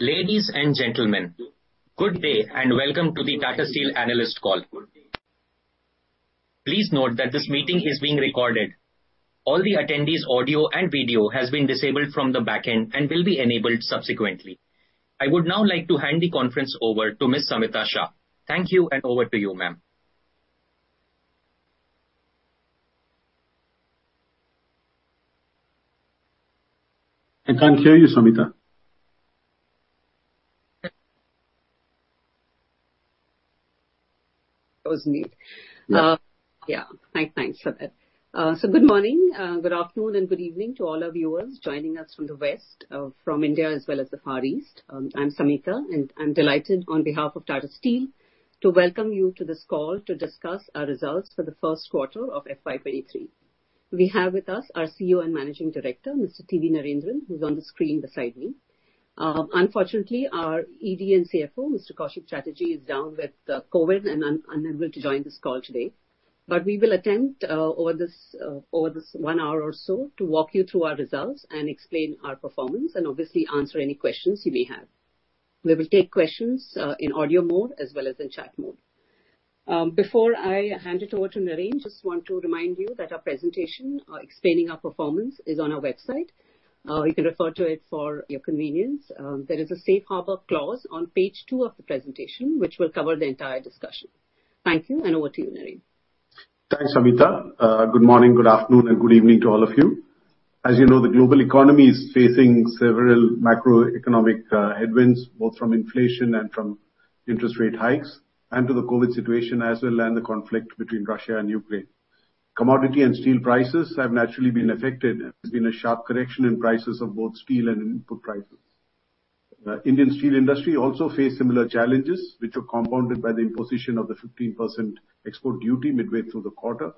Ladies and gentlemen, good day and welcome to the Tata Steel analyst call. Please note that this meeting is being recorded. All the attendees' audio and video has been disabled from the back end and will be enabled subsequently. I would now like to hand the conference over to Ms. Samita Shah. Thank you, and over to you, ma'am. I can't hear you, Samita. That was me. Yeah. Thanks for that. Good morning, good afternoon and good evening to all our viewers joining us from the West, from India as well as the Far East. I'm Samita, and I'm delighted on behalf of Tata Steel to welcome you to this call to discuss our results for the first quarter of FY 2023. We have with us our CEO and Managing Director, Mr. T.V. Narendran, who's on the screen beside me. Unfortunately, our ED and CFO, Mr. Koushik Chatterjee, is down with COVID and unable to join this call today. We will attempt over this one hour or so to walk you through our results and explain our performance and obviously answer any questions you may have. We will take questions in audio mode as well as in chat mode. Before I hand it over to Naren, just want to remind you that our presentation explaining our performance is on our website. You can refer to it for your convenience. There is a safe harbor clause on page two of the presentation, which will cover the entire discussion. Thank you, and over to you, Naren. Thanks, Samita. Good morning, good afternoon and good evening to all of you. As you know, the global economy is facing several macroeconomic headwinds, both from inflation and from interest rate hikes, and due to the COVID situation as well, and the conflict between Russia and Ukraine. Commodity and steel prices have naturally been affected. There's been a sharp correction in prices of both steel and input prices. The Indian steel industry also faced similar challenges, which were compounded by the imposition of the 15% export duty midway through the quarter.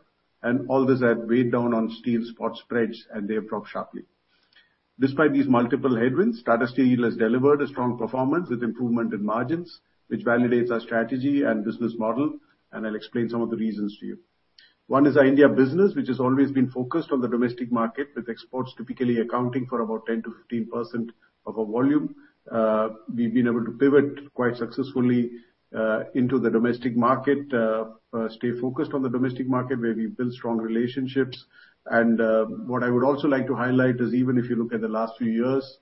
All this has weighed down on steel spot spreads, and they have dropped sharply. Despite these multiple headwinds, Tata Steel has delivered a strong performance with improvement in margins, which validates our strategy and business model, and I'll explain some of the reasons to you. One is our India business, which has always been focused on the domestic market, with exports typically accounting for about 10%-15% of our volume. We've been able to pivot quite successfully into the domestic market, stay focused on the domestic market, where we've built strong relationships. What I would also like to highlight is even if you look at the last few years,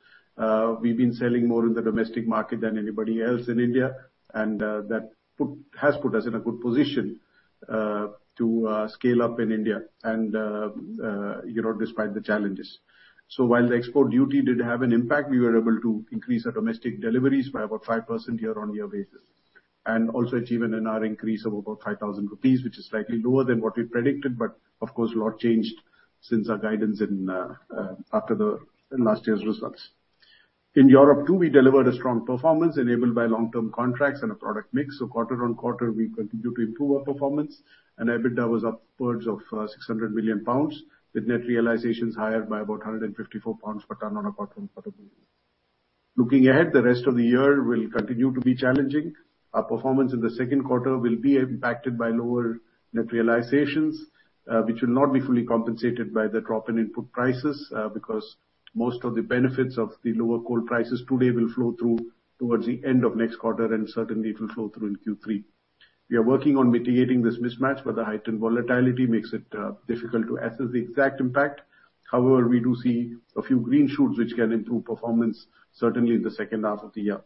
we've been selling more in the domestic market than anybody else in India. That has put us in a good position to scale up in India, you know, despite the challenges. While the export duty did have an impact, we were able to increase our domestic deliveries by about 5% year-on-year basis. Achieving an ore increase of about 5,000 rupees which is slightly lower than what we predicted, but of course, a lot changed since our guidance in last year's results. In Europe too, we delivered a strong performance enabled by long-term contracts and a product mix. Quarter-on-quarter, we continued to improve our performance, and EBITDA was upwards of 600 million pounds, with net realizations higher by about 154 pounds per ton on a quarter-on-quarter view. Looking ahead, the rest of the year will continue to be challenging. Our performance in the second quarter will be impacted by lower net realizations, which will not be fully compensated by the drop in input prices, because most of the benefits of the lower coal prices today will flow through towards the end of next quarter and certainly it will flow through in Q3. We are working on mitigating this mismatch, but the heightened volatility makes it difficult to assess the exact impact. However, we do see a few green shoots which can improve performance certainly in the second half of the year.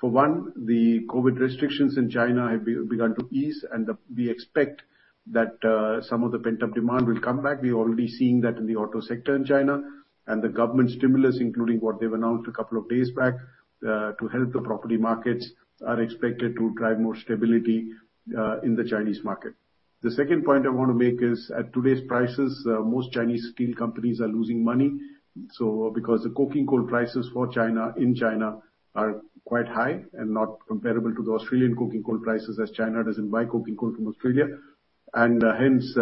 For one, the COVID restrictions in China have begun to ease, and we expect that some of the pent-up demand will come back. We're already seeing that in the auto sector in China. The government stimulus, including what they've announced a couple of days back, to help the property markets, are expected to drive more stability, in the Chinese market. The second point I wanna make is, at today's prices, most Chinese steel companies are losing money. Because the coking coal prices for China, in China are quite high and not comparable to the Australian coking coal prices as China doesn't buy coking coal from Australia. Hence,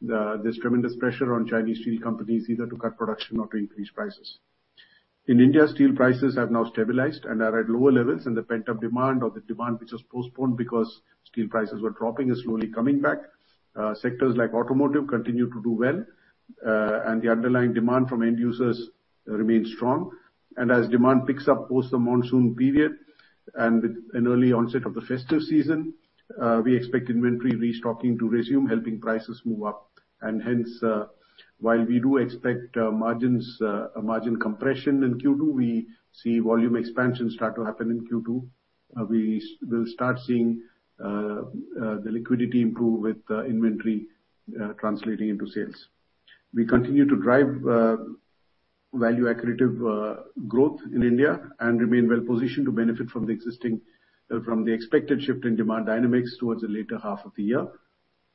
there's tremendous pressure on Chinese steel companies either to cut production or to increase prices. In India, steel prices have now stabilized and are at lower levels and the pent-up demand or the demand which was postponed because steel prices were dropping is slowly coming back. Sectors like automotive continue to do well, and the underlying demand from end users remains strong. As demand picks up post the monsoon period and with an early onset of the festive season, we expect inventory restocking to resume, helping prices move up. While we do expect a margin compression in Q2, we see volume expansion start to happen in Q2. We will start seeing the liquidity improve with inventory translating into sales. We continue to drive value accretive growth in India and remain well positioned to benefit from the expected shift in demand dynamics towards the later half of the year.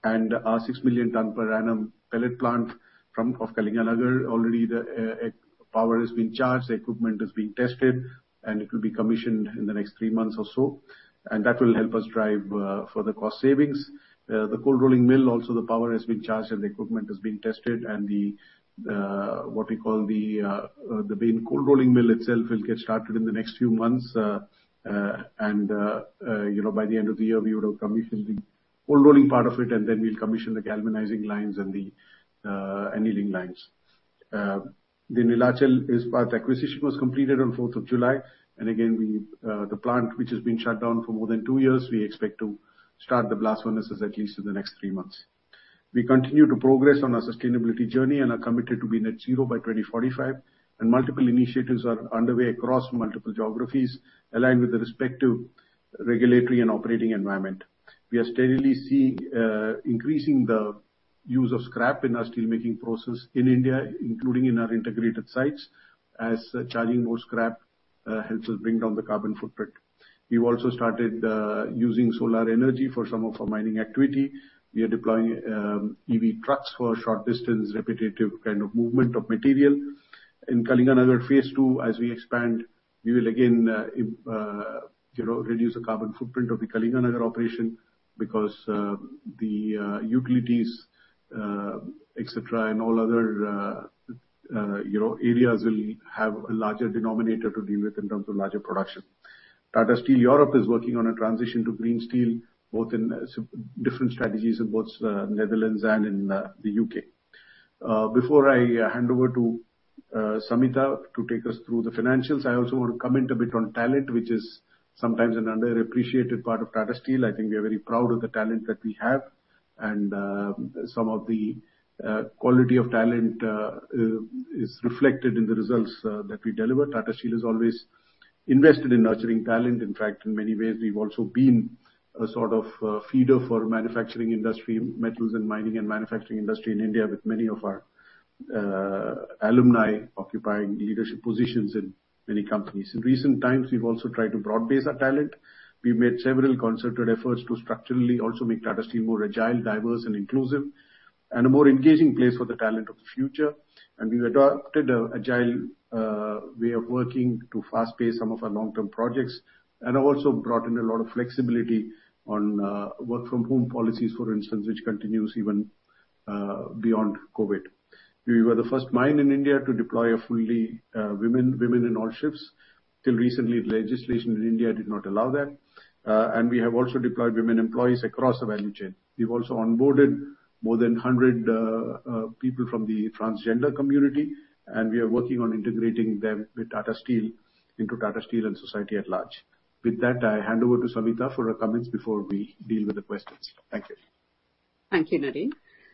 Our 6 million ton per annum pellet plant of Kalinganagar, already the power has been charged, the equipment is being tested, and it will be commissioned in the next three months or so. That will help us drive further cost savings. The Cold Rolling Mill, also the power has been charged and the equipment is being tested and what we call the main Cold Rolling Mill itself will get started in the next few months. You know, by the end of the year, we would have commissioned the cold-rolling part of it, and then we'll commission the galvanizing lines and the annealing lines. The Neelachal partial acquisition was completed on fourth of July. Again, we, the plant which has been shut down for more than two years, we expect to start the blast furnaces at least in the next three months. We continue to progress on our sustainability journey and are committed to be net zero by 2045, and multiple initiatives are underway across multiple geographies aligned with the respective regulatory and operating environment. We are steadily seeing increasing the use of scrap in our steelmaking process in India, including in our integrated sites, as charging more scrap helps us bring down the carbon footprint. We also started using solar energy for some of our mining activity. We are deploying EV trucks for short distance repetitive kind of movement of material. In Kalinganagar phase II, as we expand, we will again, you know, reduce the carbon footprint of the Kalinganagar operation because the utilities, et cetera, and all other, you know, areas will have a larger denominator to deal with in terms of larger production. Tata Steel Europe is working on a transition to green steel, both in different strategies in both the Netherlands and in the U.K.. Before I hand over to Samita to take us through the financials, I also want to comment a bit on talent, which is sometimes an underappreciated part of Tata Steel. I think we are very proud of the talent that we have and some of the quality of talent is reflected in the results that we deliver. Tata Steel has always invested in nurturing talent. In fact, in many ways, we've also been a sort of a feeder for manufacturing industry, metals and mining and manufacturing industry in India, with many of our alumni occupying leadership positions in many companies. In recent times, we've also tried to broad base our talent. We made several concerted efforts to structurally also make Tata Steel more agile, diverse and inclusive, and a more engaging place for the talent of the future. We've adopted an agile way of working to fast pace some of our long term projects, and have also brought in a lot of flexibility on work from home policies, for instance, which continues even beyond Covid. We were the first mine in India to deploy women in all shifts. Till recently, legislation in India did not allow that. We have also deployed women employees across the value chain. We've also onboarded more than 100 people from the transgender community, and we are working on integrating them with Tata Steel, into Tata Steel and society at large. With that, I hand over to Samita for her comments before we deal with the questions. Thank you. Thank you, Naren.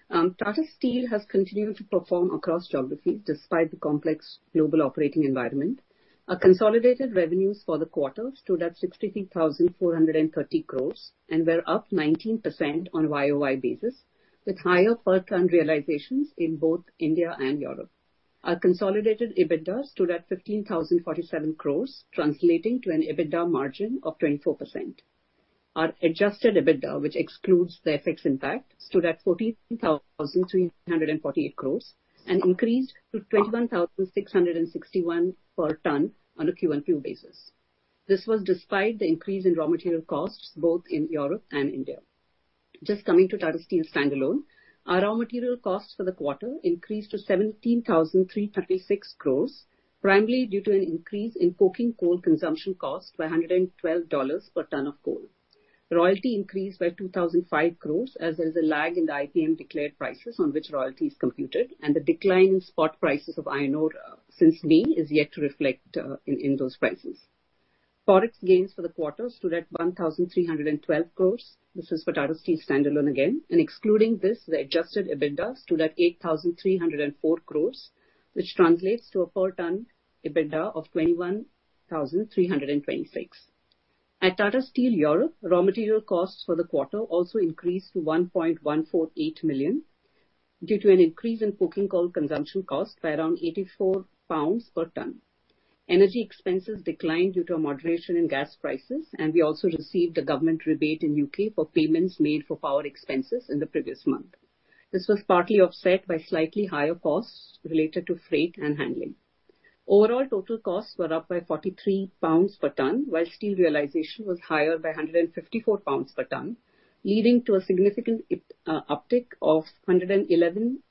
Tata Steel has continued to perform across geographies despite the complex global operating environment. Our consolidated revenues for the quarter stood at 63,430 crore and were up 19% on YOY basis, with higher per ton realizations in both India and Europe. Our consolidated EBITDA stood at 15,047 crore, translating to an EBITDA margin of 24%. Our Adjusted EBITDA, which excludes the FX impact, stood at 14,348 crore and increased to 21,661 per ton on a Q on Q basis. This was despite the increase in raw material costs both in Europe and India. Just coming to Tata Steel standalone, our raw material costs for the quarter increased to 17,336 crore, primarily due to an increase in coking coal consumption costs by $112 per ton of coal. Royalty increased by 2,005 crore as there is a lag in the IBM declared prices on which royalty is computed and the decline in spot prices of iron ore since May is yet to reflect in those prices. Forex gains for the quarter stood at 1,312 crore. This is for Tata Steel standalone again. Excluding this, the Adjusted EBITDA stood at 8,304 crore, which translates to a per ton EBITDA of 21,326. At Tata Steel Europe, raw material costs for the quarter also increased to 1.148 million due to an increase in coking coal consumption costs by around 84 pounds per ton. Energy expenses declined due to a moderation in gas prices, and we also received a government rebate in U.K. for payments made for power expenses in the previous month. This was partly offset by slightly higher costs related to freight and handling. Overall total costs were up by 43 pounds per ton, while steel realization was higher by 154 pounds per ton, leading to a significant uptick of 111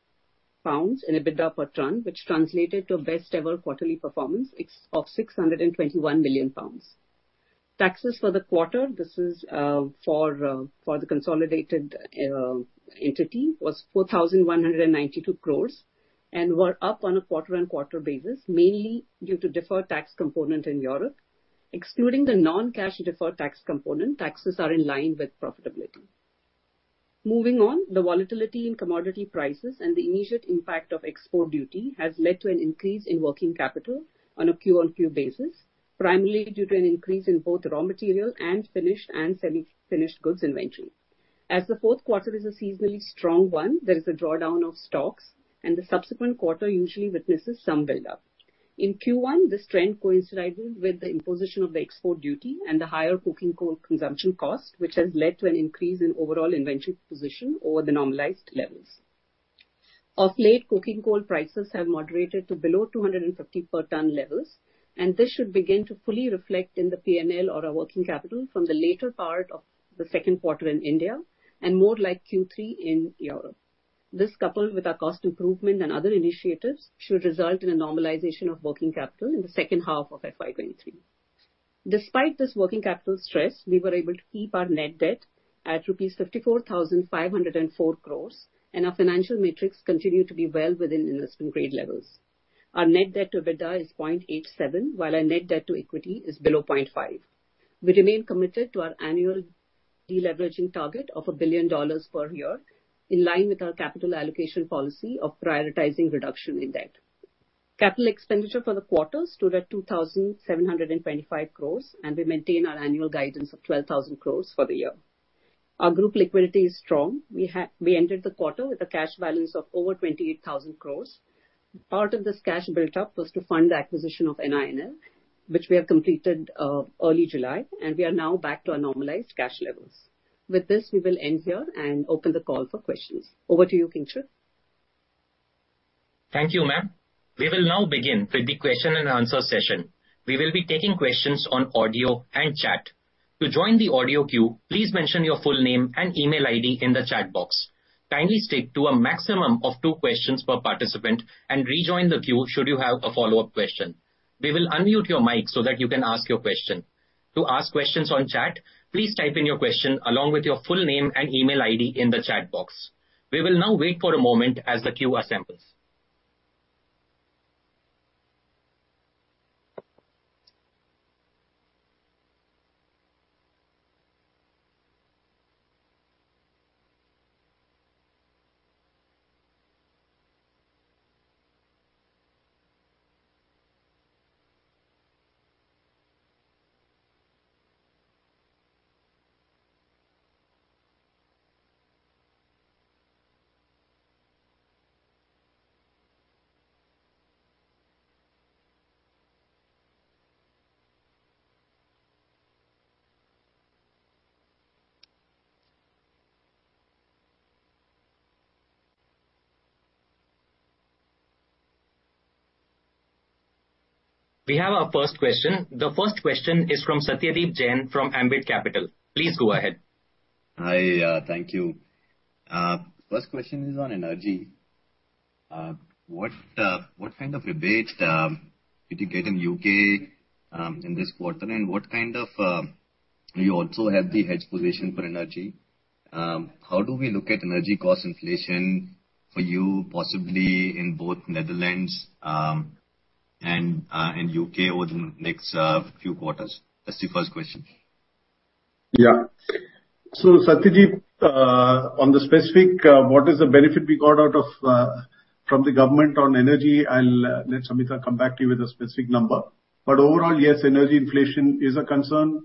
pounds in EBITDA per ton, which translated to a best ever quarterly performance of 621 million pounds. Taxes for the quarter for the consolidated entity was 4,192 crores and were up on a quarter-on-quarter basis, mainly due to deferred tax component in Europe. Excluding the non-cash deferred tax component, taxes are in line with profitability. Moving on. The volatility in commodity prices and the immediate impact of export duty has led to an increase in working capital on a Q-on-Q basis, primarily due to an increase in both raw material and finished and semi-finished goods inventory. As the fourth quarter is a seasonally strong one, there is a drawdown of stocks and the subsequent quarter usually witnesses some build up. In Q1, this trend coincided with the imposition of the export duty and the higher coking coal consumption cost, which has led to an increase in overall inventory position over the normalized levels. Of late, coking coal prices have moderated to below 250 per ton levels, and this should begin to fully reflect in the P&L or our working capital from the later part of the second quarter in India and more like Q3 in Europe. This, coupled with our cost improvement and other initiatives, should result in a normalization of working capital in the second half of FY 2023. Despite this working capital stress, we were able to keep our net debt at rupees 54,504 crore, and our financial metrics continue to be well within investment grade levels. Our net debt to EBITDA is 0.87, while our net debt to equity is below 0.5. We remain committed to our annual deleveraging target of $1 billion per year, in line with our capital allocation policy of prioritizing reduction in debt. Capital expenditure for the quarter stood at 2,725 crores, and we maintain our annual guidance of 12,000 crores for the year. Our group liquidity is strong. We entered the quarter with a cash balance of over 28,000 crores. Part of this cash built up was to fund the acquisition of NINL, which we have completed early July, and we are now back to our normalized cash levels. With this, we will end here and open the call for questions. Over to you, Kinshuk. Thank you, ma'am. We will now begin with the question and answer session. We will be taking questions on audio and chat. To join the audio queue, please mention your full name and email ID in the chat box. Kindly stick to a maximum of two questions per participant and rejoin the queue should you have a follow-up question. We will unmute your mic so that you can ask your question. To ask questions on chat, please type in your question along with your full name and email ID in the chat box. We will now wait for a moment as the queue assembles. We have our first question. The first question is from Satyadeep Jain from Ambit Capital. Please go ahead. Hi. Thank you. First question is on energy. What kind of rebate did you get in U.K. in this quarter? What kind of do you also have the hedge position for energy? How do we look at energy cost inflation for you possibly in both Netherlands and in U.K. over the next few quarters? That's the first question. Yeah. Satyadeep, on the specific, what is the benefit we got out of, from the government on energy, I'll let Samita come back to you with a specific number. Overall, yes, energy inflation is a concern.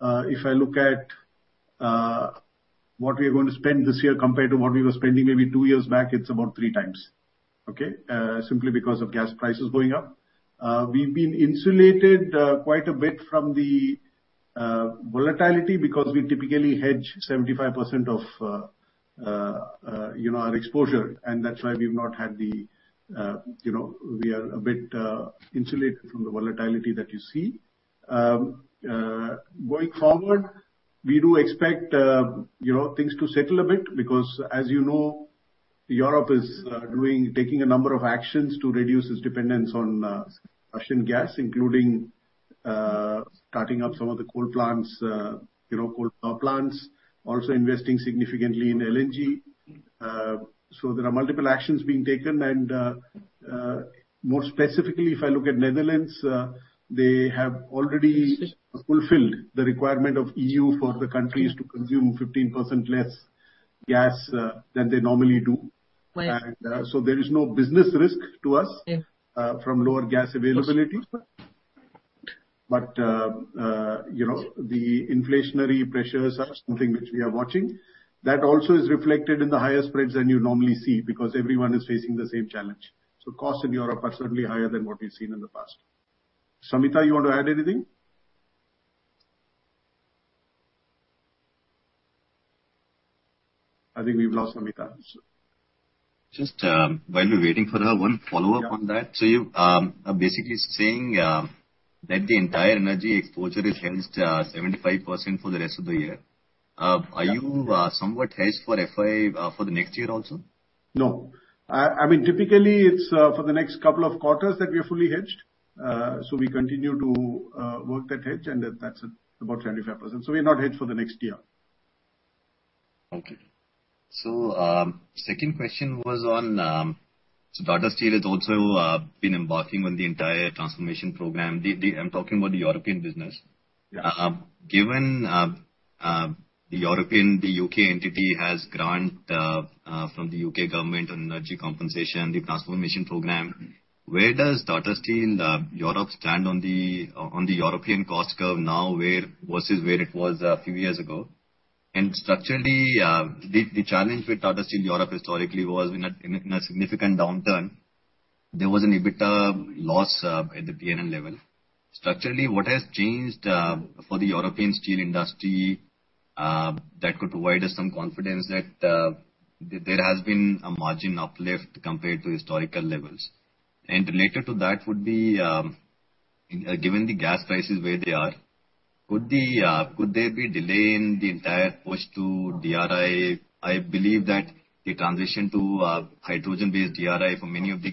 If I look at what we are going to spend this year compared to what we were spending maybe two years back, it's about three times. Okay? Simply because of gas prices going up. We've been insulated, quite a bit from the volatility because we typically hedge 75% of, you know, our exposure, and that's why we've not had the, you know, we are a bit insulated from the volatility that you see. Going forward, we do expect, you know, things to settle a bit because, as you know, Europe is doing. Taking a number of actions to reduce its dependence on Russian gas, including starting up some of the coal plants, you know, coal power plants, also investing significantly in LNG. There are multiple actions being taken and, more specifically, if I look at Netherlands, they have already fulfilled the requirement of EU for the countries to consume 15% less gas than they normally do. Right. There is no business risk to us. Yeah. from lower gas availability. Yes. You know, the inflationary pressures are something which we are watching. That also is reflected in the higher spreads than you normally see, because everyone is facing the same challenge. Costs in Europe are certainly higher than what we've seen in the past. Samita, you want to add anything? I think we've lost Samita. Just, while we're waiting for her, one follow-up on that. Yeah. You are basically saying that the entire energy exposure is hedged 75% for the rest of the year. Are you somewhat hedged for FY for the next year also? No. I mean, typically it's for the next couple of quarters that we are fully hedged. We continue to work that hedge and that's about 25%. We're not hedged for the next year. Second question was on so Tata Steel has also been embarking on the entire transformation program. I'm talking about Tata Steel Europe. Given Tata Steel UK has grants from the U.K. government on energy compensation, the transformation program. Mm-hmm. Where does Tata Steel Europe stand on the European cost curve now versus where it was a few years ago? Structurally, the challenge with Tata Steel Europe historically was in a significant downturn, there was an EBITDA loss at the P&L level. Structurally, what has changed for the European steel industry that could provide us some confidence that there has been a margin uplift compared to historical levels? Related to that would be, given the gas prices where they are. Could there be delay in the entire push to DRI? I believe that the transition to hydrogen-based DRI for many of the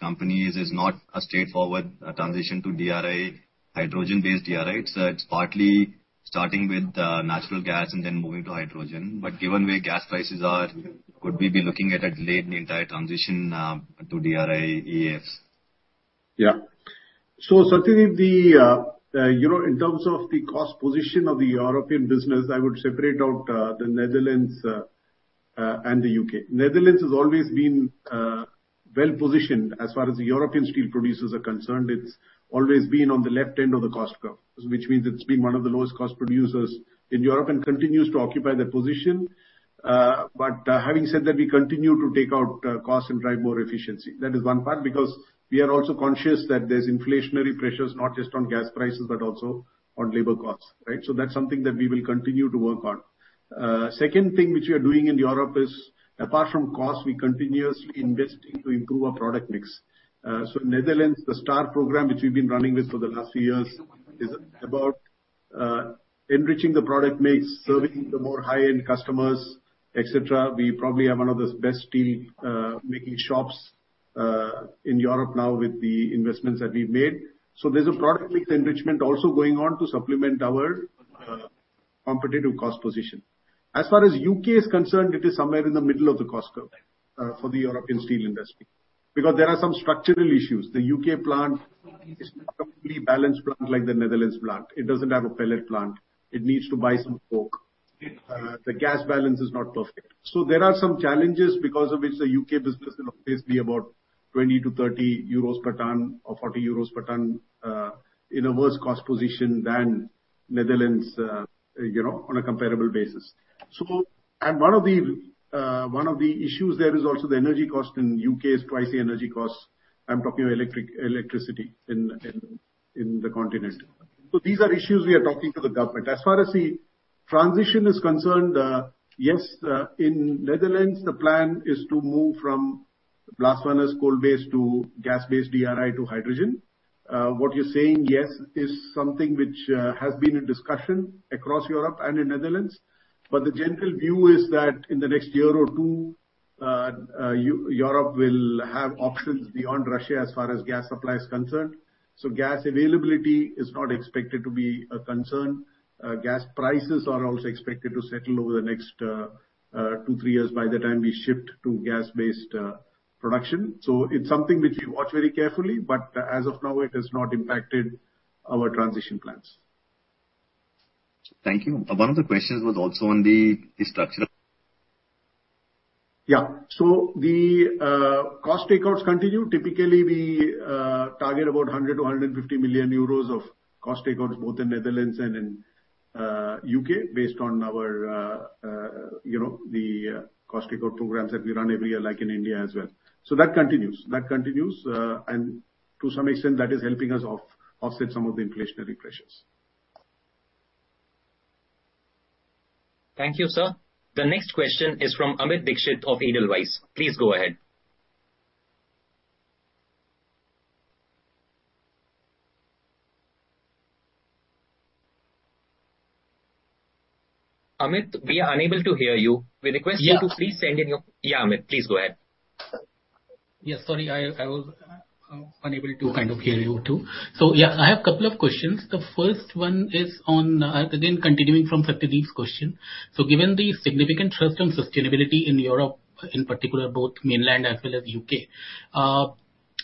companies is not a straightforward transition to hydrogen-based DRI. It's partly starting with natural gas and then moving to hydrogen. Given where gas prices are, could we be looking at a delayed entire transition to DRI-EAFs? Yeah. Certainly the, you know, in terms of the cost position of the European business, I would separate out the Netherlands and the U.K.. Netherlands has always been well-positioned as far as the European steel producers are concerned. It's always been on the left end of the cost curve, which means it's been one of the lowest cost producers in Europe and continues to occupy that position. Having said that, we continue to take out costs and drive more efficiency. That is one part because we are also conscious that there's inflationary pressures, not just on gas prices, but also on labor costs. Right? That's something that we will continue to work on. Second thing which we are doing in Europe is, apart from cost, we continuously investing to improve our product mix. Netherlands, the STAR program, which we've been running with for the last few years, is about enriching the product mix, serving the more high-end customers, et cetera. We probably have one of the best steel making shops in Europe now with the investments that we've made. There's a product mix enrichment also going on to supplement our competitive cost position. As far as U.K. is concerned, it is somewhere in the middle of the cost curve for the European steel industry. Because there are some structural issues. The U.K. plant is not a fully balanced plant like the Netherlands plant. It doesn't have a pellet plant. It needs to buy some coke. The gas balance is not perfect. There are some challenges because of which the U.K. business will obviously about 20-30 euros per ton or 40 euros per ton in a worse cost position than Netherlands, you know, on a comparable basis. One of the issues there is also the energy cost in U.K. is twice the energy cost. I'm talking of electricity in the continent. These are issues we are talking to the government. As far as the transition is concerned, yes, in Netherlands, the plan is to move from blast furnace coal-based to gas-based DRI to hydrogen. What you're saying, yes, is something which has been in discussion across Europe and in Netherlands. The general view is that in the next year or two, Europe will have options beyond Russia as far as gas supply is concerned. Gas availability is not expected to be a concern. Gas prices are also expected to settle over the next two, three years by the time we shift to gas-based production. It's something which we watch very carefully, but as of now, it has not impacted our transition plans. Thank you. One of the questions was also on the structure. Yeah. The cost takeouts continue. Typically, we target about 100 million-150 million euros of cost takeouts both in the Netherlands and in the U.K. based on our, you know, the cost takeout programs that we run every year, like in India as well. That continues, and to some extent that is helping us offset some of the inflationary pressures. Thank you, sir. The next question is from Amit Dixit of Edelweiss. Please go ahead. Amit, we are unable to hear you. We request you to please send in your- Yeah. Yeah, Amit, please go ahead. Yes. Sorry, I was unable to kind of hear you too. Yeah, I have a couple of questions. The first one is on, again, continuing from Satyadeep's question. Given the significant thrust and sustainability in Europe, in particular both mainland as well as U.K.,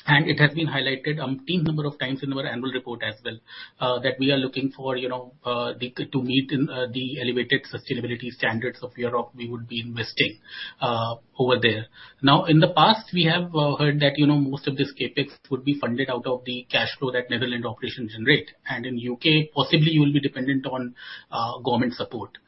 and it has been highlighted umpteen number of times in our annual report as well, that we are looking for, you know, to meet the elevated sustainability standards of Europe, we would be investing over there. Now, in the past, we have heard that, you know, most of this CapEx would be funded out of the cash flow that Netherlands operations generate, and in U.K., possibly you will be dependent on government support.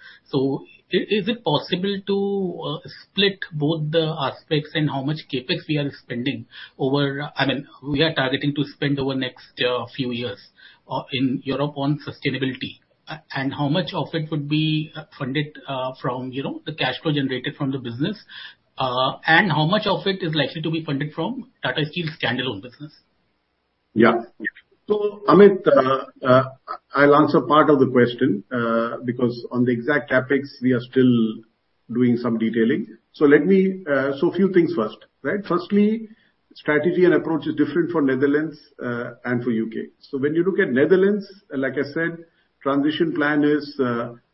Is it possible to split both the aspects and how much CapEx we are spending over... I mean, we are targeting to spend over next few years in Europe on sustainability, and how much of it would be funded from, you know, the cash flow generated from the business, and how much of it is likely to be funded from Tata Steel standalone business? Yeah. Amit, I'll answer part of the question, because on the exact CapEx we are still doing some detailing. A few things first, right? Firstly, strategy and approach is different for Netherlands and for U.K.. When you look at Netherlands, like I said, transition plan is,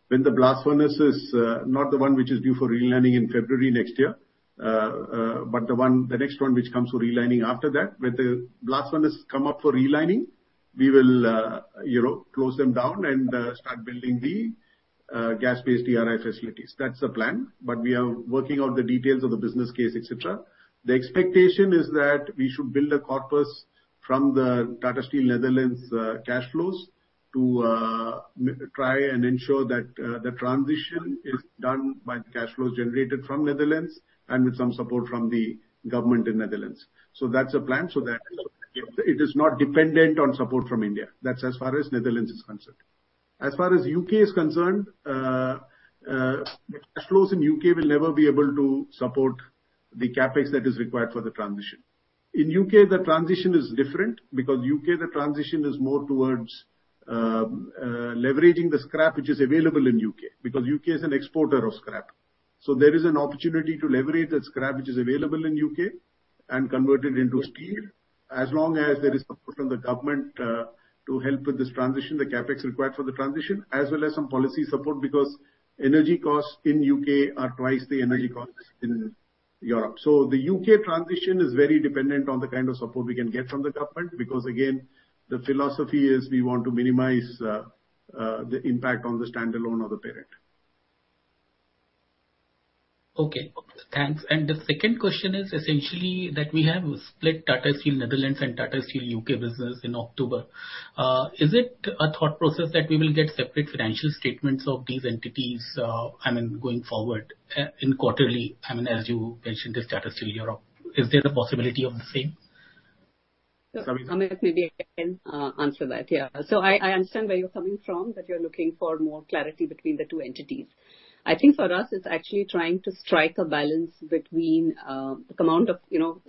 when the blast furnace is, not the one which is due for relining in February next year, but the one, the next one which comes for relining after that. When the blast furnace come up for relining, we will, you know, close them down and, start building the, gas-based DRI facilities. That's the plan. We are working out the details of the business case, et cetera. The expectation is that we should build a corpus from the Tata Steel Netherlands cash flows to try and ensure that the transition is done by the cash flows generated from Netherlands and with some support from the government in Netherlands. That's the plan. That it is not dependent on support from India. That's as far as Netherlands is concerned. As far as U.K. is concerned, the cash flows in U.K. will never be able to support the CapEx that is required for the transition. In U.K.,The transition is different because the transition is more towards leveraging the scrap which is available in U.K., because U.K. is an exporter of scrap. There is an opportunity to leverage that scrap which is available in U.K. and convert it into steel as long as there is support from the government, to help with this transition, the CapEx required for the transition, as well as some policy support because energy costs in U.K. are twice the energy costs in Europe. The U.K. transition is very dependent on the kind of support we can get from the government because again, the philosophy is we want to minimize, the impact on the stand-alone or the parent. Okay, thanks. The second question is essentially that we have split Tata Steel Netherlands and Tata Steel UK business in October. Is it a thought process that we will get separate financial statements of these entities, I mean, going forward in quarterly, I mean, as you mentioned as Tata Steel Europe. Is there the possibility of the same? Samita, maybe I can answer that. Yeah. I understand where you're coming from, that you're looking for more clarity between the two entities. I think for us it's actually trying to strike a balance between the amount of, you know,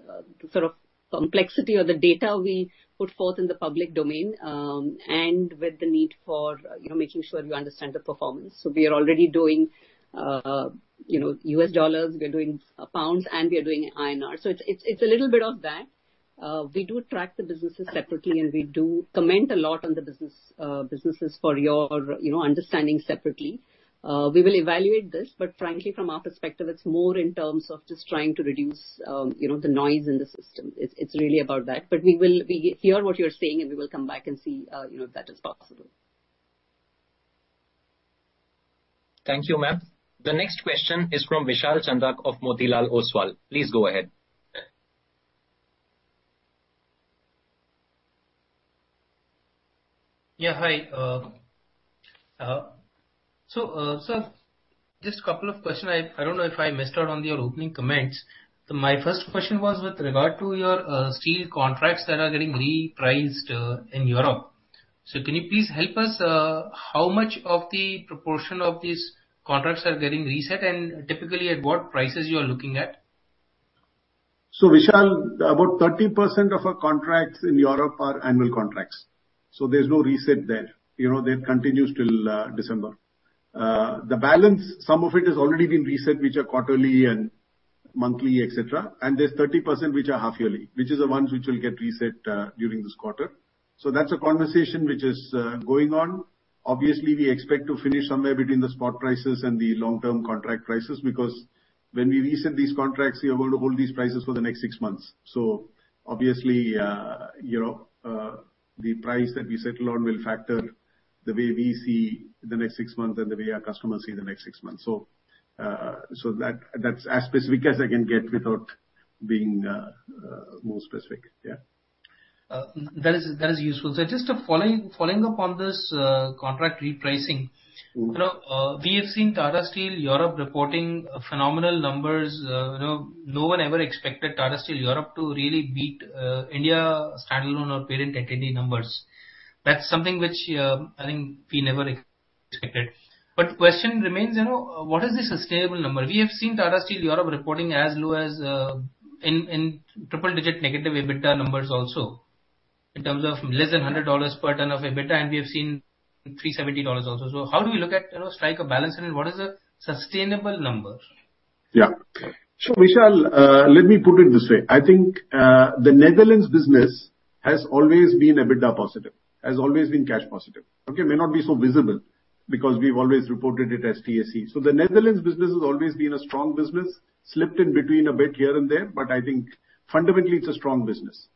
the sort of complexity of the data we put forth in the public domain, and with the need for, you know, making sure you understand the performance. We are already doing, you know, U.S. dollars, we're doing pounds, and we are doing INR. It's a little bit of that. We do track the businesses separately, and we do comment a lot on the businesses for your, you know, understanding separately. We will evaluate this, but frankly, from our perspective, it's more in terms of just trying to reduce, you know, the noise in the system. It's really about that. We hear what you're saying, and we will come back and see, you know, if that is possible. Thank you, ma'am. The next question is from Vishal Chandak of Motilal Oswal. Please go ahead. Yeah, hi. Sir, just a couple of questions. I don't know if I missed out on your opening comments. My first question was with regard to your steel contracts that are getting repriced in Europe. Can you please help us how much of the proportion of these contracts are getting reset, and typically at what prices you are looking at? Vishal, about 30% of our contracts in Europe are annual contracts, so there's no reset there. You know, they continue till December. The balance, some of it has already been reset, which are quarterly and monthly, et cetera. There's 30% which are half yearly, which is the ones which will get reset during this quarter. That's a conversation which is going on. Obviously, we expect to finish somewhere between the spot prices and the long-term contract prices, because when we reset these contracts, we are going to hold these prices for the next six months. Obviously, you know, the price that we settle on will factor the way we see the next six months and the way our customers see the next six months. That's as specific as I can get without being more specific. Yeah. That is useful. Just following up on this contract repricing. Mm-hmm. You know, we have seen Tata Steel Europe reporting phenomenal numbers. You know, no one ever expected Tata Steel Europe to really beat, India stand-alone or parent at any numbers. That's something which, I think we never expected. The question remains, you know, what is the sustainable number? We have seen Tata Steel Europe reporting as low as in triple digit negative EBITDA numbers also in terms of less than $100 per ton of EBITDA, and we have seen $370 also. How do we look at, you know, strike a balance and what is a sustainable number? Yeah. Vishal, let me put it this way. I think, the Netherlands business has always been EBITDA positive, has always been cash positive, okay, may not be so visible because we've always reported it as TSE. The Netherlands business has always been a strong business. Slipped a bit here and there, but I think fundamentally it's a strong business.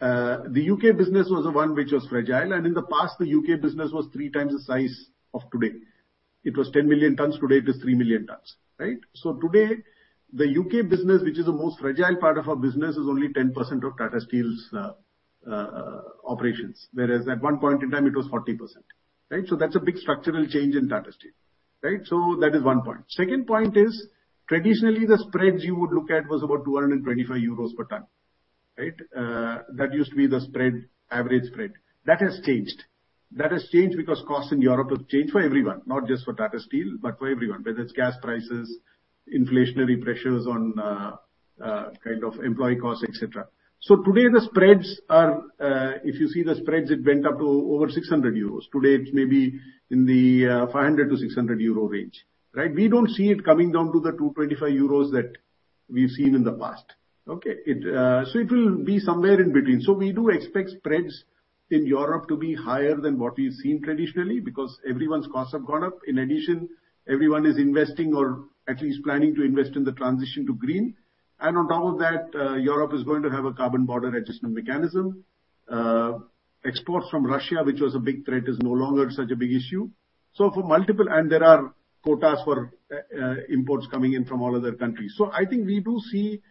The U.K. business was the one which was fragile, and in the past, the U.K. business was three times the size of today. It was 10 million tons. Today it is 3 million tons, right? Today, the U.K. business, which is the most fragile part of our business, is only 10% of Tata Steel's operations. Whereas at one point in time it was 40%, right? That's a big structural change in Tata Steel, right? That is one point. Second point is, traditionally the spreads you would look at was about 225 euros per ton, right? That used to be the spread, average spread. That has changed because costs in Europe have changed for everyone, not just for Tata Steel, but for everyone, whether it's gas prices, inflationary pressures on kind of employee costs, et cetera. Today the spreads are, if you see the spreads, it went up to over 600 euros. Today it's maybe in the 500-600 euro range, right? We don't see it coming down to the 225 euros that we've seen in the past. Okay. It will be somewhere in between. We do expect spreads in Europe to be higher than what we've seen traditionally because everyone's costs have gone up. In addition, everyone is investing or at least planning to invest in the transition to green. On top of that, Europe is going to have a Carbon Border Adjustment Mechanism. Exports from Russia, which was a big threat, is no longer such a big issue. There are quotas for imports coming in from all other countries. I think we do see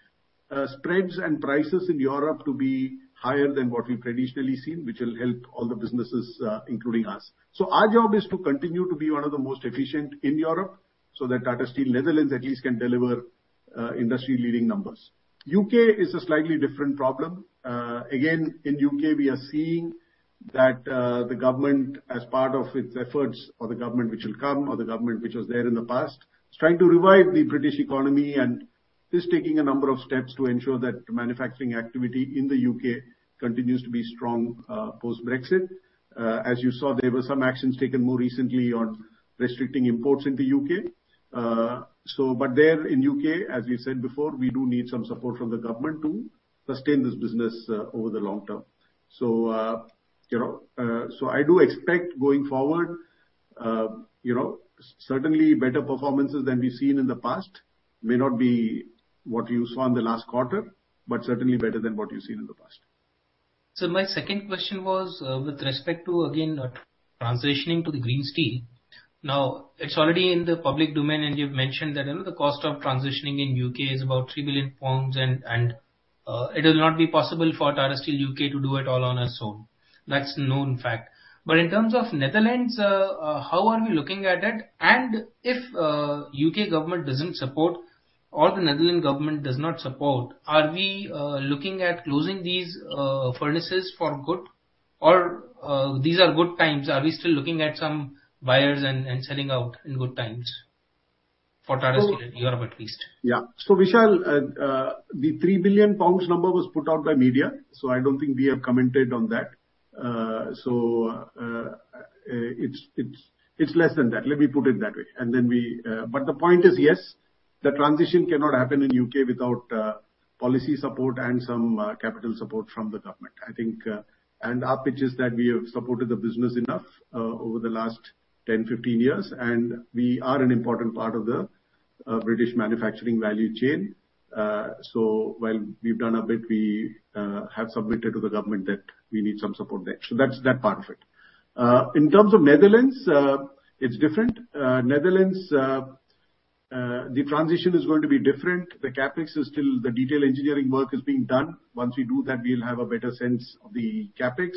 spreads and prices in Europe to be higher than what we've traditionally seen, which will help all the businesses, including us. Our job is to continue to be one of the most efficient in Europe so that Tata Steel Netherlands at least can deliver industry-leading numbers. U.K. is a slightly different problem. Again, in the U.K. we are seeing that the government as part of its efforts or the government which will come or the government which was there in the past, is trying to revive the British economy and is taking a number of steps to ensure that manufacturing activity in the U.K. continues to be strong, post-Brexit. As you saw, there were some actions taken more recently on restricting imports into the U.K. There in the U.K., as we said before, we do need some support from the government to sustain this business, over the long term. You know, I do expect going forward, you know, certainly better performances than we've seen in the past. May not be what you saw in the last quarter, but certainly better than what you've seen in the past. My second question was, with respect to again transitioning to the green steel. Now, it's already in the public domain, and you've mentioned that, you know, the cost of transitioning in U.K. is about 3 billion pounds and it will not be possible for Tata Steel UK to do it all on its own. That's a known fact. In terms of Netherlands, how are we looking at it? If U.K. government doesn't support or the Netherlands government does not support, are we looking at closing these furnaces for good? Or these are good times, are we still looking at some buyers and selling out in good times for Tata Steel in Europe at least? Yeah. Vishal, the 3 billion pounds number was put out by media, so I don't think we have commented on that. It's less than that. Let me put it that way. But the point is, yes, the transition cannot happen in U.K. without policy support and some capital support from the government. I think, and our pitch is that we have supported the business enough over the last 10, 15 years, and we are an important part of the British manufacturing value chain. While we've done our bit, we have submitted to the government that we need some support there. That's that part of it. In terms of Netherlands, it's different. Netherlands, the transition is going to be different. The CapEx is still. The detailed engineering work is being done. Once we do that, we'll have a better sense of the CapEx.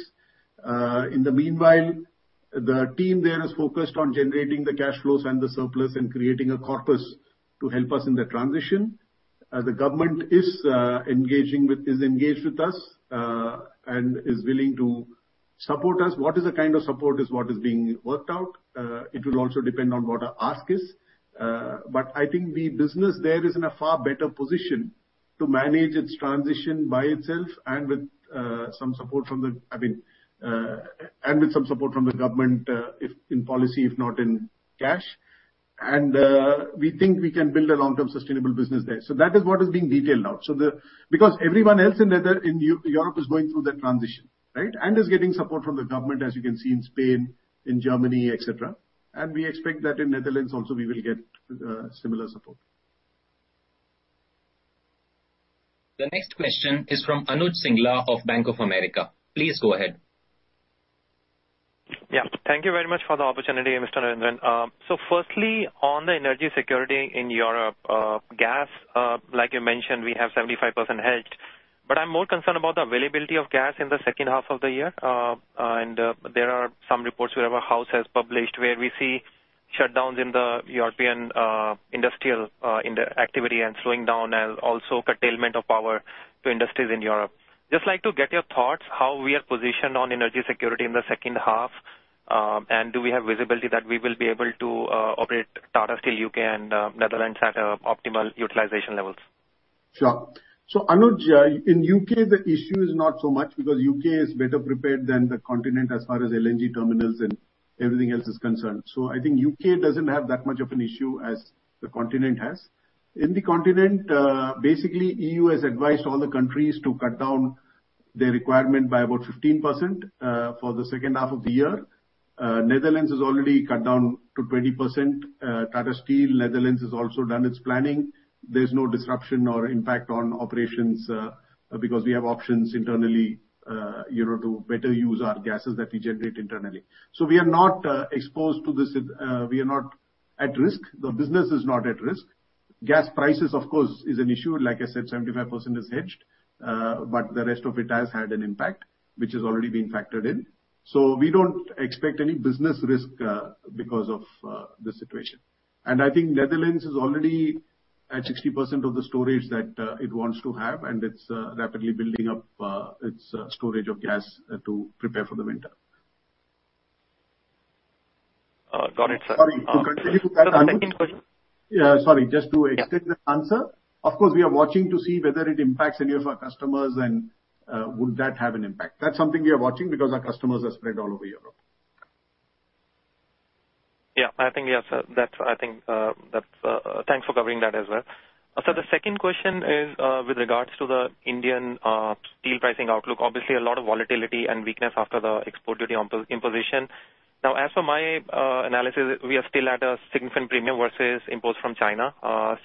In the meanwhile, the team there is focused on generating the cash flows and the surplus and creating a corpus to help us in the transition. The government is engaged with us and is willing to support us. What kind of support is being worked out. It will also depend on what our ask is. But I think the business there is in a far better position to manage its transition by itself and with some support from the government, I mean, if in policy, if not in cash. We think we can build a long-term sustainable business there. That is what is being detailed out. Because everyone else in Europe is going through that transition, right? Is getting support from the government, as you can see in Spain, in Germany, et cetera. We expect that in Netherlands also we will get similar support. The next question is from Anuj Singla of Bank of America. Please go ahead. Yeah. Thank you very much for the opportunity, Mr. Narendran. So firstly, on the energy security in Europe, gas, like you mentioned, we have 75% hedged, but I'm more concerned about the availability of gas in the second half of the year. There are some reports where our house has published where we see shutdowns in the European industrial activity and slowing down and also curtailment of power to industries in Europe. Just like to get your thoughts how we are positioned on energy security in the second half, and do we have visibility that we will be able to operate Tata Steel UK and Tata Steel Netherlands at optimal utilization levels? Sure. Anuj, in U.K. the issue is not so much because U.K. is better prepared than the continent as far as LNG terminals and everything else is concerned. I think U.K. doesn't have that much of an issue as the continent has. In the continent, basically EU has advised all the countries to cut down their requirement by about 15%, for the second half of the year. Netherlands has already cut down to 20%. Tata Steel Netherlands has also done its planning. There's no disruption or impact on operations, because we have options internally, you know, to better use our gases that we generate internally. We are not exposed to this, we are not at risk. The business is not at risk. Gas prices, of course, is an issue. Like I said, 75% is hedged. The rest of it has had an impact, which has already been factored in. We don't expect any business risk because of the situation. I think Netherlands is already at 60% of the storage that it wants to have, and it's rapidly building up its storage of gas to prepare for the winter. Got it, sir. Sorry. To continue with that answer. Sir, the second question. Yeah, sorry. Just to extend the answer. Of course, we are watching to see whether it impacts any of our customers and would that have an impact. That's something we are watching because our customers are spread all over Europe. Yeah. I think, yeah, sir. That's what I think. Thanks for covering that as well. The second question is, with regards to the Indian steel pricing outlook. Obviously, a lot of volatility and weakness after the export duty imposition. Now, as per my analysis, we are still at a significant premium versus imports from China,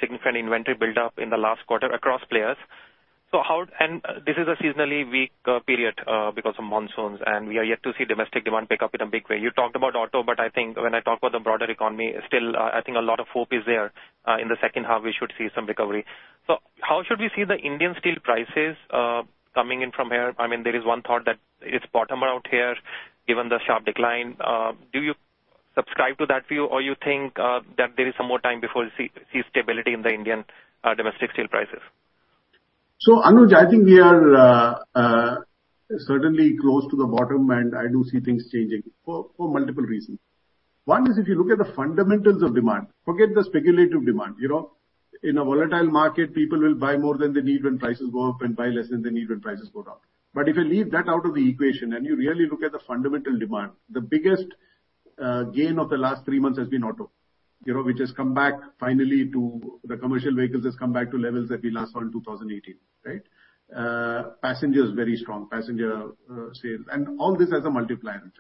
significant inventory buildup in the last quarter across players. This is a seasonally weak period because of monsoons, and we are yet to see domestic demand pick up in a big way. You talked about auto, but I think when I talk about the broader economy, still, I think a lot of hope is there. In the second half, we should see some recovery. How should we see the Indian steel prices coming in from here? I mean, there is one thought that it's bottom out here given the sharp decline. Do you subscribe to that view or you think that there is some more time before we see stability in the Indian domestic steel prices? Anuj, I think we are certainly close to the bottom, and I do see things changing for multiple reasons. One is if you look at the fundamentals of demand, forget the speculative demand, you know. In a volatile market, people will buy more than they need when prices go up and buy less than they need when prices go down. But if you leave that out of the equation and you really look at the fundamental demand, the biggest gain of the last three months has been auto. You know, we just come back finally to the commercial vehicles has come back to levels that we last saw in 2018, right? Passenger is very strong. Passenger sales. And all this as a multiplier effect.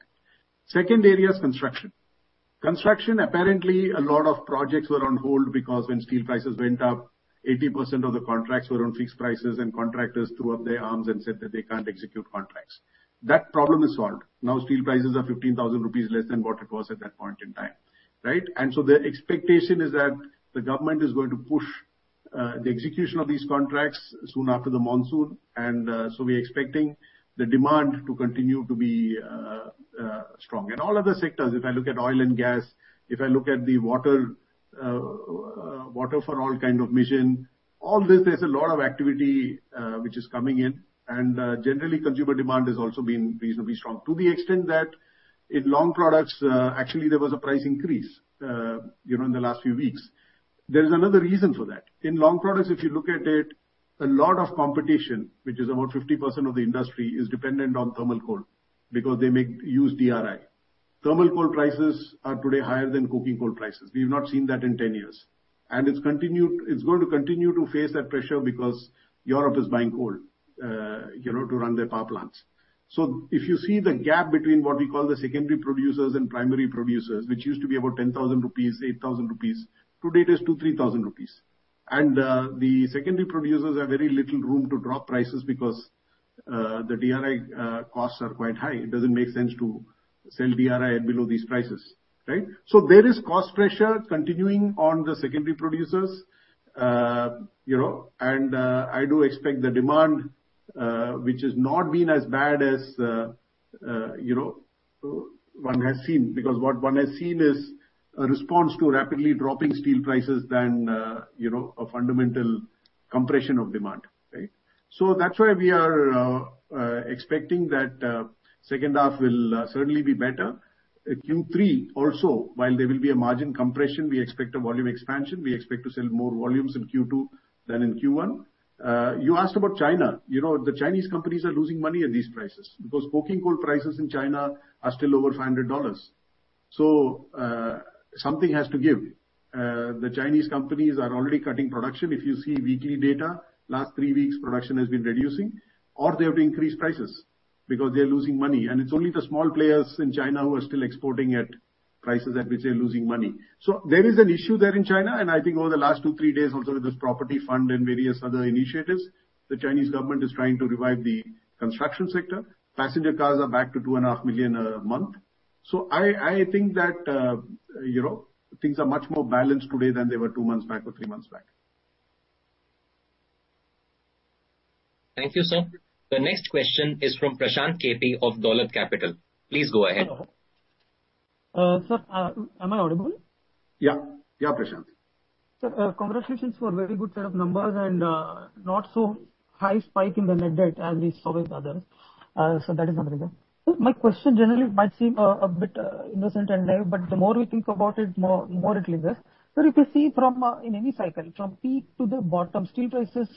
Second area is construction. Construction, apparently a lot of projects were on hold because when steel prices went up, 80% of the contracts were on fixed prices, and contractors threw up their arms and said that they can't execute contracts. That problem is solved. Now steel prices are 15,000 rupees less than what it was at that point in time, right? We're expecting the demand to continue to be strong. In all other sectors, if I look at oil and gas, if I look at the water for all kind of mission, all this, there's a lot of activity, which is coming in. Generally consumer demand has also been reasonably strong to the extent that in long products, actually there was a price increase, you know, in the last few weeks. There is another reason for that. In long products, if you look at it, a lot of competition, which is about 50% of the industry, is dependent on thermal coal because they make use DRI. Thermal coal prices are today higher than coking coal prices. We've not seen that in 10 years. It's continued. It's going to continue to face that pressure because Europe is buying coal, you know, to run their power plants. So if you see the gap between what we call the secondary producers and primary producers, which used to be about 10,000 rupees, 8,000 rupees, today it is 2,000-3,000 rupees. The secondary producers have very little room to drop prices because the DRI costs are quite high. It doesn't make sense to sell DRI at below these prices, right? There is cost pressure continuing on the secondary producers. You know, I do expect the demand, which has not been as bad as you know, one has seen, because what one has seen is a response to rapidly dropping steel prices than you know, a fundamental compression of demand, right? That's why we are expecting that second half will certainly be better. In Q3 also, while there will be a margin compression, we expect a volume expansion. We expect to sell more volumes in Q2 than in Q1. You asked about China. You know, the Chinese companies are losing money at these prices because coking coal prices in China are still over $500. Something has to give. The Chinese companies are already cutting production. If you see weekly data, last three weeks production has been reducing. They have increased prices because they're losing money. It's only the small players in China who are still exporting at prices at which they're losing money. There is an issue there in China, and I think over the last two, three days also with this property fund and various other initiatives, the Chinese government is trying to revive the construction sector. Passenger cars are back to 2.5 million a month. I think that, you know, things are much more balanced today than they were two months back or three months back. Thank you, sir. The next question is from Prashanth KP of Dolat Capital. Please go ahead. Sir, am I audible? Yeah. Yeah, Prashanth. Sir, congratulations for a very good set of numbers and not so high spike in the net debt as we saw with others. That is one reason. My question generally might seem a bit innocent and naive, but the more we think about it, the more it lingers. If you see in any cycle, from peak to the bottom, steel prices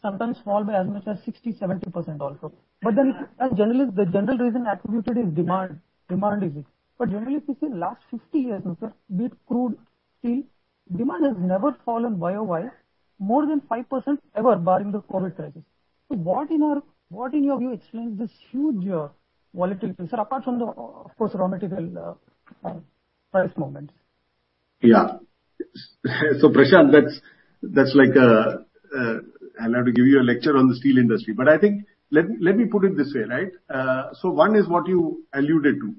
sometimes fall by as much as 60%-70% also. As generally is, the general reason attributed is demand. Demand is it. Generally, if you see last 50 years or so, be it crude, steel, demand has never fallen by anywhere more than 5% ever barring the COVID crisis. What in your view explains this huge volatility, sir, apart from, of course, raw material price movements? Yeah. Prashanth, that's like, I'll have to give you a lecture on the steel industry. I think let me put it this way, right? One is what you alluded to.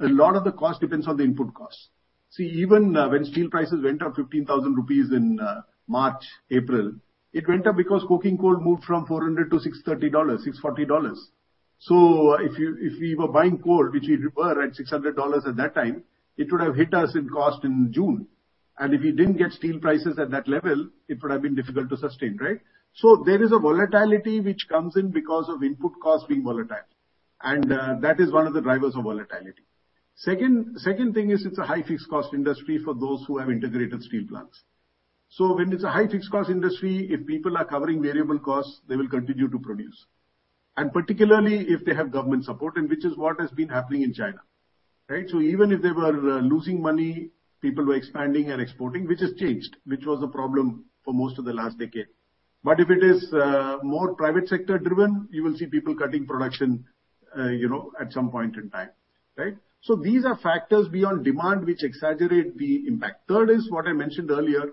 A lot of the cost depends on the input costs. See, even, when steel prices went up 15,000 rupees in March, April, it went up because coking coal moved from $400-$630, $640. If we were buying coal, which we were at $600 at that time, it would have hit us in cost in June. If we didn't get steel prices at that level, it would have been difficult to sustain, right? There is a volatility which comes in because of input costs being volatile. That is one of the drivers of volatility. Second thing is it's a high fixed cost industry for those who have integrated steel plants. When it's a high fixed cost industry, if people are covering variable costs, they will continue to produce. Particularly if they have government support, and which is what has been happening in China, right? Even if they were losing money, people were expanding and exporting, which has changed, which was a problem for most of the last decade. If it is more private sector driven, you will see people cutting production, you know, at some point in time, right? These are factors beyond demand which exaggerate the impact. Third is what I mentioned earlier.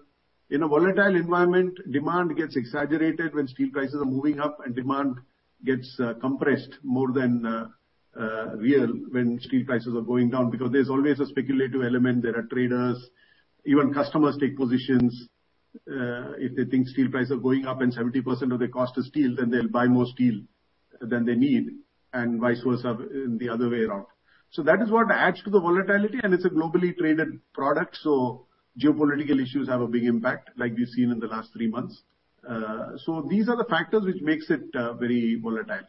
In a volatile environment, demand gets exaggerated when steel prices are moving up and demand gets compressed more than real when steel prices are going down. Because there's always a speculative element. There are traders. Even customers take positions. If they think steel prices are going up and 70% of the cost is steel, then they'll buy more steel than they need and vice versa, the other way around. That is what adds to the volatility, and it's a globally traded product, so geopolitical issues have a big impact, like we've seen in the last three months. These are the factors which makes it very volatile.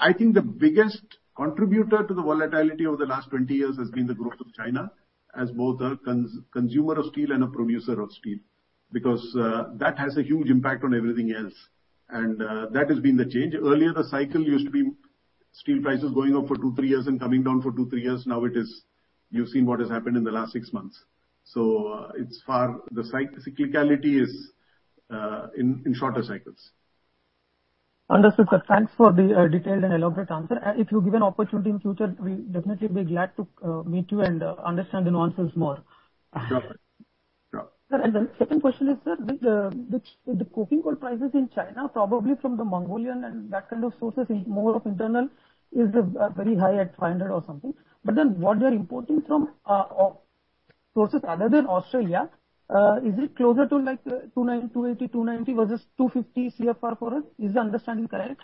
I think the biggest contributor to the volatility over the last 20 years has been the growth of China as both a consumer of steel and a producer of steel, because that has a huge impact on everything else. That has been the change. Earlier, the cycle used to be steel prices going up for two to three years and coming down for two to three years. Now it is. You've seen what has happened in the last six months. The cyclicality is in shorter cycles. Understood, sir. Thanks for the detailed and elaborate answer. If you give an opportunity in future, we'll definitely be glad to meet you and understand the nuances more. Sure. Sir, the second question is, sir, the coking coal prices in China, probably from the Mongolian and that kind of sources is more internal, very high at $500 or something. Then what you're importing from sources other than Australia is it closer to like $290, $280, $290 versus $250 CFR for it? Is the understanding correct?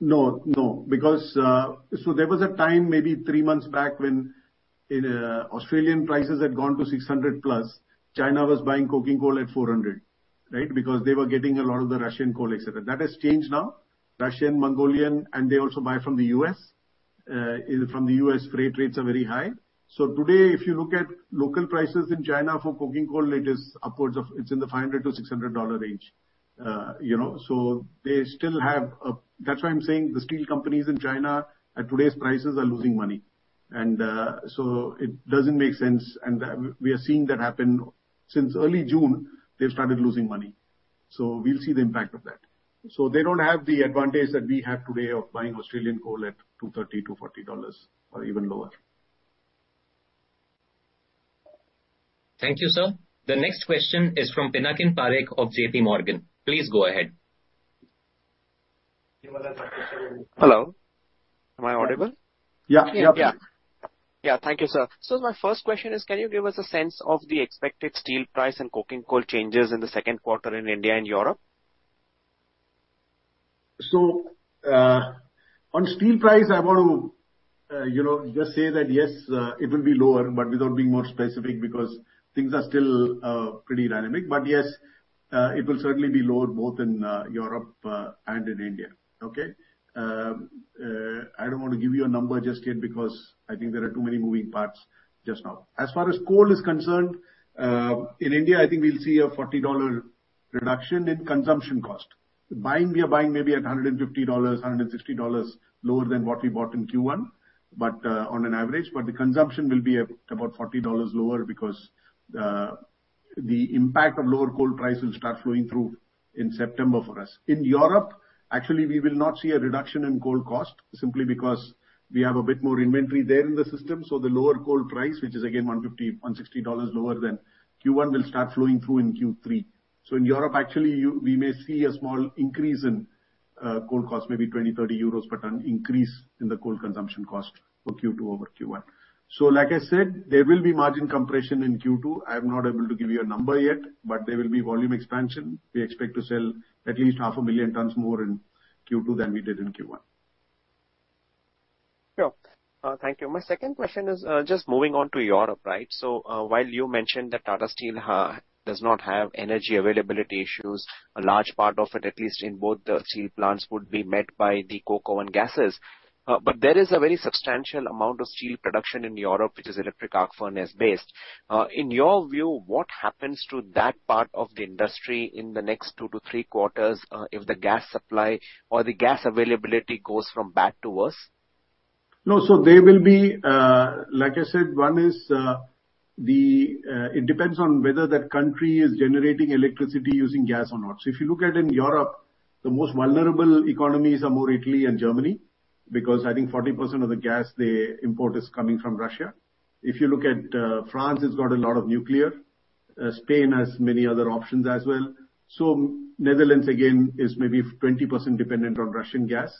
No, no, because there was a time maybe three months back when Australian prices had gone to 600+, China was buying coking coal at 400, right? Because they were getting a lot of the Russian coal, et cetera. That has changed now. Russian, Mongolian, and they also buy from the U.S.. From the U.S. freight rates are very high. Today, if you look at local prices in China for coking coal, it is upwards of $500-$600 range. You know, they still have. That's why I'm saying the steel companies in China at today's prices are losing money. It doesn't make sense. We are seeing that happen. Since early June, they've started losing money. We'll see the impact of that. They don't have the advantage that we have today of buying Australian coal at $230-$240 or even lower. Thank you, sir. The next question is from Pinakin Parekh of JP Morgan. Please go ahead. You want to start with. Hello, am I audible? Yeah. Yeah. Yeah. Thank you, sir. My first question is, can you give us a sense of the expected steel price and coking coal changes in the second quarter in India and Europe? On steel price, I want to, you know, just say that yes, it will be lower, but without being more specific because things are still pretty dynamic. Yes, it will certainly be lower both in Europe and in India. Okay? I don't want to give you a number just yet because I think there are too many moving parts just now. As far as coal is concerned, in India, I think we'll see a $40 reduction in consumption cost. Buying, we are buying maybe at $150, $160 lower than what we bought in Q1, but on an average. The consumption will be about $40 lower because the impact of lower coal prices will start flowing through in September for us. In Europe, actually, we will not see a reduction in coal cost simply because we have a bit more inventory there in the system. The lower coal price, which is again $150-$160 lower than Q1, will start flowing through in Q3. In Europe, actually we may see a small increase in coal cost, maybe 20-30 euros per ton increase in the coal consumption cost for Q2 over Q1. Like I said, there will be margin compression in Q2. I'm not able to give you a number yet, but there will be volume expansion. We expect to sell at least 500,000 tons more in Q2 than we did in Q1. Sure. Thank you. My second question is, just moving on to Europe, right? While you mentioned that Tata Steel does not have energy availability issues, a large part of it, at least in both the steel plants, would be met by the coke oven gases. There is a very substantial amount of steel production in Europe which is electric arc furnace based. In your view, what happens to that part of the industry in the next two to three quarters, if the gas supply or the gas availability goes from bad to worse? No. There will be, like I said, it depends on whether that country is generating electricity using gas or not. If you look at in Europe, the most vulnerable economies are more Italy and Germany, because I think 40% of the gas they import is coming from Russia. If you look at France, it's got a lot of nuclear. Spain has many other options as well. Netherlands, again, is maybe 20% dependent on Russian gas.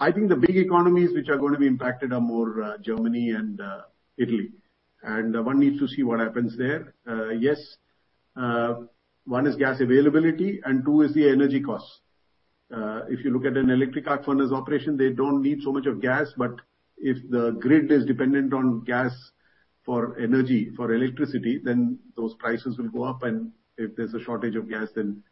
I think the big economies which are going to be impacted are more Germany and Italy. One needs to see what happens there. One is gas availability, and two is the energy cost. If you look at an electric arc furnace operation, they don't need so much of gas. If the grid is dependent on gas for energy, for electricity, then those prices will go up. If there's a shortage of gas, then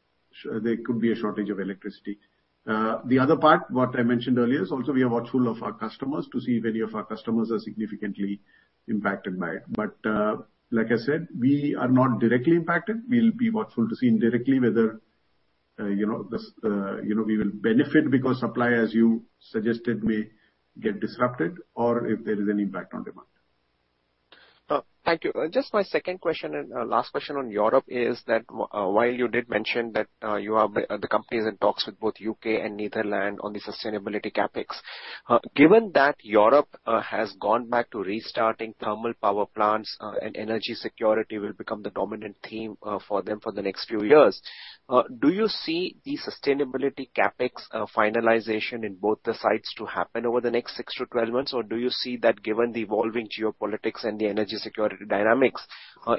there could be a shortage of electricity. The other part, what I mentioned earlier is also we are watchful of our customers to see if any of our customers are significantly impacted by it. Like I said, we are not directly impacted. We'll be watchful to see indirectly whether, you know, the, you know, we will benefit because supply, as you suggested, may get disrupted or if there is any impact on demand. Thank you. Just my second question and last question on Europe is that while you did mention that the company is in talks with both U.K. and Netherlands on the sustainability CapEx. Given that Europe has gone back to restarting thermal power plants and energy security will become the dominant theme for them for the next few years, do you see the sustainability CapEx finalization in both the sites to happen over the next six to 12 months? Or do you see that given the evolving geopolitics and the energy security dynamics,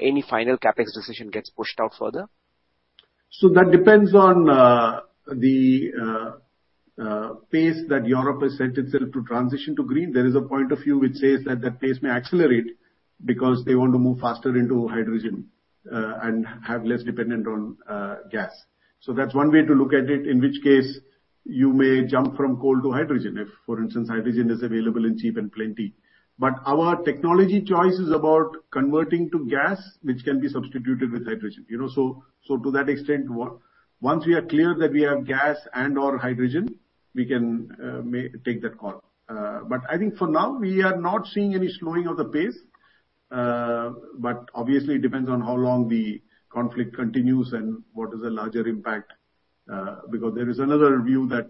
any final CapEx decision gets pushed out further? That depends on the pace that Europe has set itself to transition to green. There is a point of view which says that pace may accelerate because they want to move faster into hydrogen and have less dependent on gas. That's one way to look at it, in which case you may jump from coal to hydrogen if, for instance, hydrogen is available in cheap and plenty. Our technology choice is about converting to gas, which can be substituted with hydrogen. You know, so to that extent, once we are clear that we have gas and/or hydrogen, we can take that call. I think for now, we are not seeing any slowing of the pace. Obviously it depends on how long the conflict continues and what is the larger impact. Because there is another view that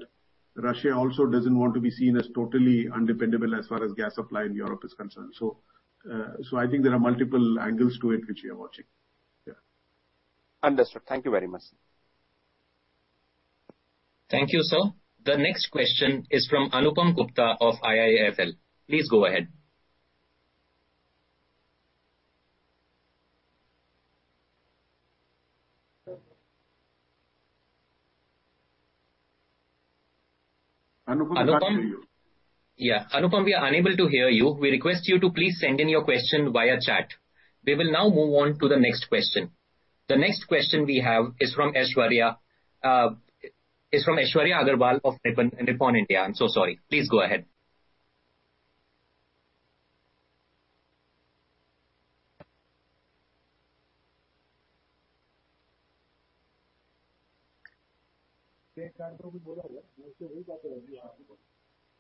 Russia also doesn't want to be seen as totally undependable as far as gas supply in Europe is concerned. I think there are multiple angles to it which we are watching. Yeah. Understood. Thank you very much. Thank you, sir. The next question is from Anupam Gupta of IIFL. Please go ahead. Anupam, we can't hear you. Anupam, we are unable to hear you. We request you to please send in your question via chat. We will now move on to the next question. The next question we have is from Aishwarya Agrawal of Nippon India. I'm so sorry. Please go ahead.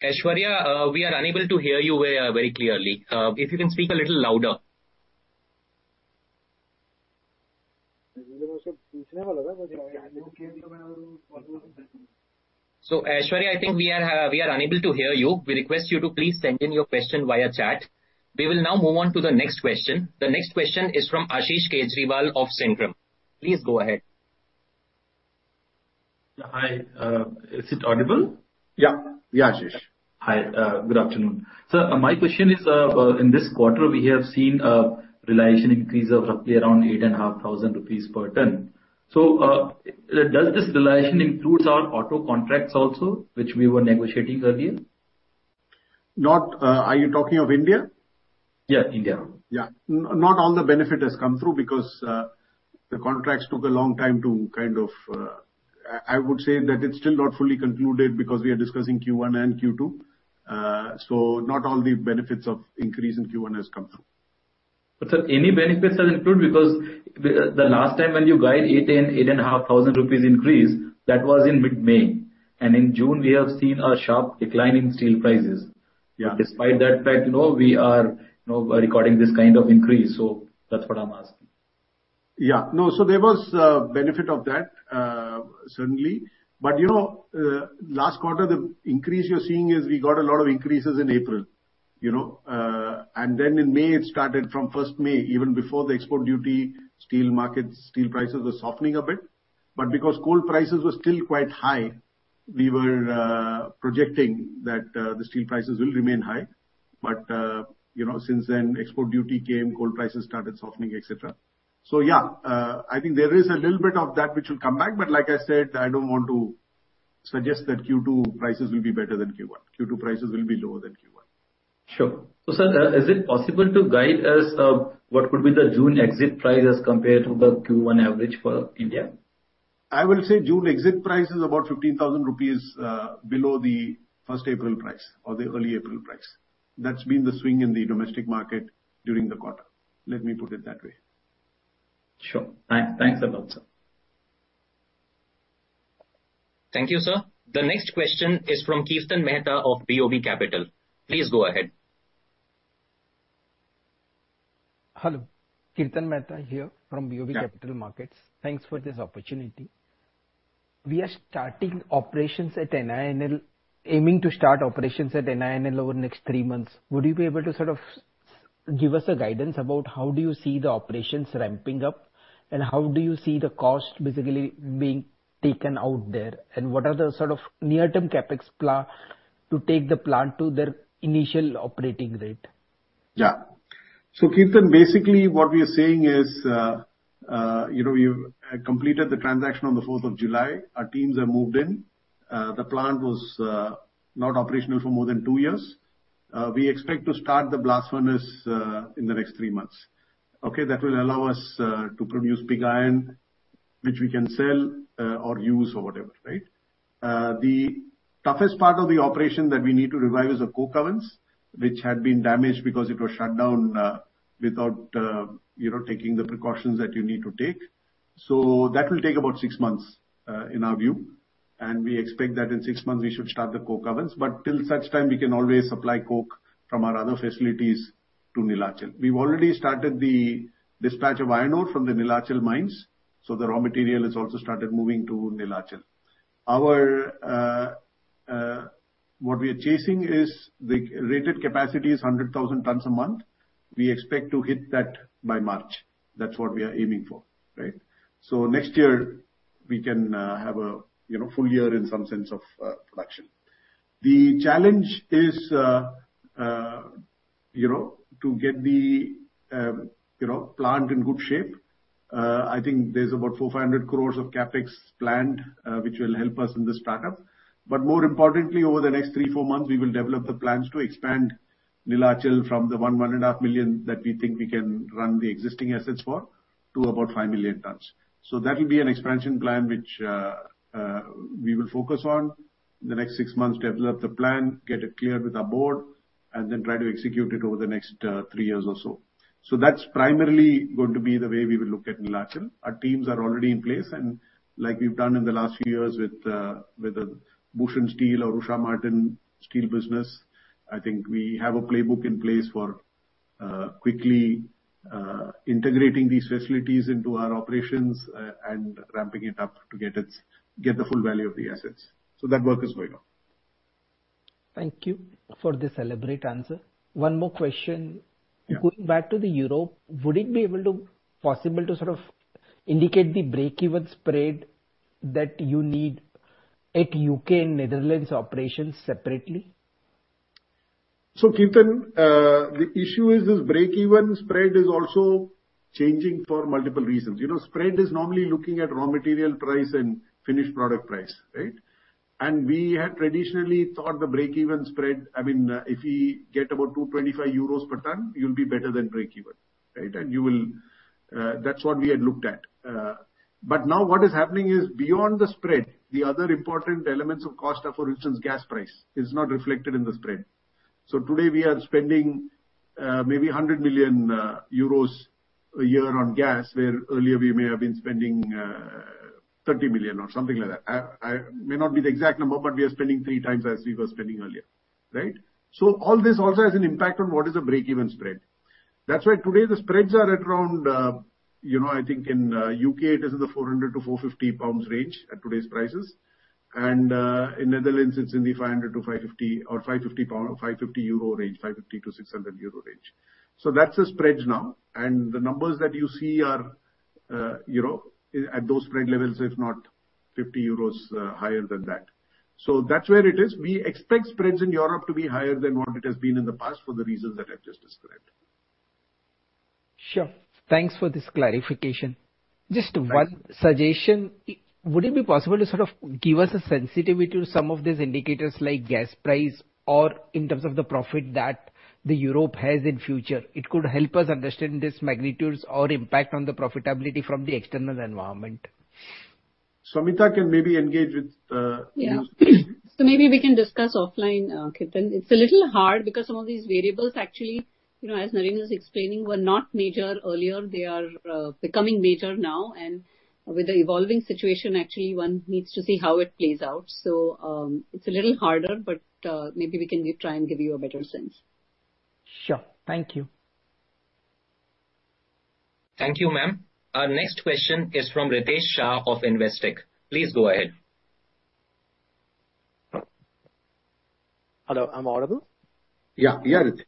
Aishwarya, we are unable to hear you very clearly. If you can speak a little louder. Aishwarya, I think we are unable to hear you. We request you to please send in your question via chat. We will now move on to the next question. The next question is from Ashish Kejriwal of Centrum. Please go ahead. Yeah. Hi. Is it audible? Yeah. Yeah, Ashish. Hi. Good afternoon. Sir, my question is, in this quarter, we have seen a realization increase of roughly around 8,500 rupees per ton. Does this realization includes our auto contracts also, which we were negotiating earlier? Are you talking of India? Yeah, India. Yeah. Not all the benefit has come through because the contracts took a long time to kind of. I would say that it's still not fully concluded because we are discussing Q1 and Q2. Not all the benefits of increase in Q1 has come through. Sir, any benefits are included because the last time when you guide 8,500 rupees increase, that was in mid-May. In June, we have seen a sharp decline in steel prices. Yeah. Despite that fact, you know, we are, you know, recording this kind of increase. That's what I'm asking. Yeah. No. There was benefit of that certainly. You know, last quarter, the increase you're seeing is we got a lot of increases in April, you know. Then in May, it started from first May, even before the export duty, steel markets, steel prices were softening a bit. Because coal prices were still quite high, we were projecting that the steel prices will remain high. You know, since then export duty came, coal prices started softening, et cetera. Yeah, I think there is a little bit of that which will come back. Like I said, I don't want to suggest that Q2 prices will be better than Q1. Q2 prices will be lower than Q1. Sure. Sir, is it possible to guide us, what could be the June exit price as compared to the Q1 average for India? I will say June exit price is about 15,000 rupees below the first April price or the early April price. That's been the swing in the domestic market during the quarter. Let me put it that way. Sure. Thanks a lot, sir. Thank you, sir. The next question is from Kirtan Mehta of BOB Capital. Please go ahead. Hello. Kirtan Mehta here from BOB Capital. Yeah. Capital Markets. Thanks for this opportunity. We are starting operations at NINL, aiming to start operations at NINL over the next three months. Would you be able to sort of give us a guidance about how do you see the operations ramping up, and how do you see the cost basically being taken out there? What are the sort of near-term CapEx plan to take the plant to their initial operating rate? Yeah. Kirtan, basically what we are saying is, you know, you've completed the transaction on the fourth of July. Our teams have moved in. The plant was not operational for more than two years. We expect to start the blast furnace in the next three months. Okay? That will allow us to produce pig iron, which we can sell or use or whatever, right? The toughest part of the operation that we need to revive is the coke ovens, which had been damaged because it was shut down without, you know, taking the precautions that you need to take. That will take about six months in our view. We expect that in six months we should start the coke ovens, but till such time, we can always supply coke from our other facilities to Neelachal. We've already started the dispatch of iron ore from the Neelachal mines, so the raw material has also started moving to Neelachal. What we are chasing is the rated capacity 100,000 tons a month. We expect to hit that by March. That's what we are aiming for, right? Next year we can have a full year in some sense of production. The challenge is, you know, to get the plant in good shape, I think there's about 400 crores of CapEx planned, which will help us in this backup. More importantly, over the next three/four months, we will develop the plans to expand Neelachal from the 1-1.5 million that we think we can run the existing assets for, to about 5 million tons. That will be an expansion plan which we will focus on in the next six months to develop the plan, get it cleared with our board, and then try to execute it over the next three years or so. That's primarily going to be the way we will look at Neelachal. Our teams are already in place, and like we've done in the last few years with the Bhushan Steel or Usha Martin Steel business, I think we have a playbook in place for quickly integrating these facilities into our operations and ramping it up to get it. get the full value of the assets. That work is going on. Thank you for the celebrate answer. One more question. Yeah. Going back to Europe, would it be possible to sort of indicate the break-even spread that you need at U.K. and Netherlands operations separately? Kirtan, the issue is this break-even spread is also changing for multiple reasons. You know, spread is normally looking at raw material price and finished product price, right? We had traditionally thought the break-even spread, I mean, if we get about 225 euros per ton, you'll be better than break-even, right? You will. That's what we had looked at. Now what is happening is beyond the spread, the other important elements of cost are, for instance, gas price. It's not reflected in the spread. Today we are spending, maybe 100 million euros a year on gas, where earlier we may have been spending, 30 million or something like that. I may not be the exact number, but we are spending three times as we were spending earlier, right? All this also has an impact on what is a break-even spread. That's why today the spreads are at around, you know, I think in the U.K. it is in the 400-450 pounds range at today's prices. In the Netherlands it's in the 500-EUR550 or EUR 550-EUR 600 range. That's the spreads now. The numbers that you see are, you know, at those spread levels, if not 50 euros, higher than that. That's where it is. We expect spreads in Europe to be higher than what it has been in the past for the reasons that I've just described. Sure. Thanks for this clarification. Thanks. Just one suggestion. Would it be possible to sort of give us a sensitivity to some of these indicators like gas price or in terms of the profit that the Europe has in future? It could help us understand these magnitudes or impact on the profitability from the external environment. Samita can maybe engage with you. Maybe we can discuss offline, Kirtan. It's a little hard because some of these variables actually, you know, as Naren was explaining, were not major earlier. They are becoming major now. With the evolving situation, actually, one needs to see how it plays out. It's a little harder, but maybe we can try and give you a better sense. Sure. Thank you. Thank you, ma'am. Our next question is from Ritesh Shah of Investec. Please go ahead. Hello, I'm audible? Yeah. Yeah, Ritesh.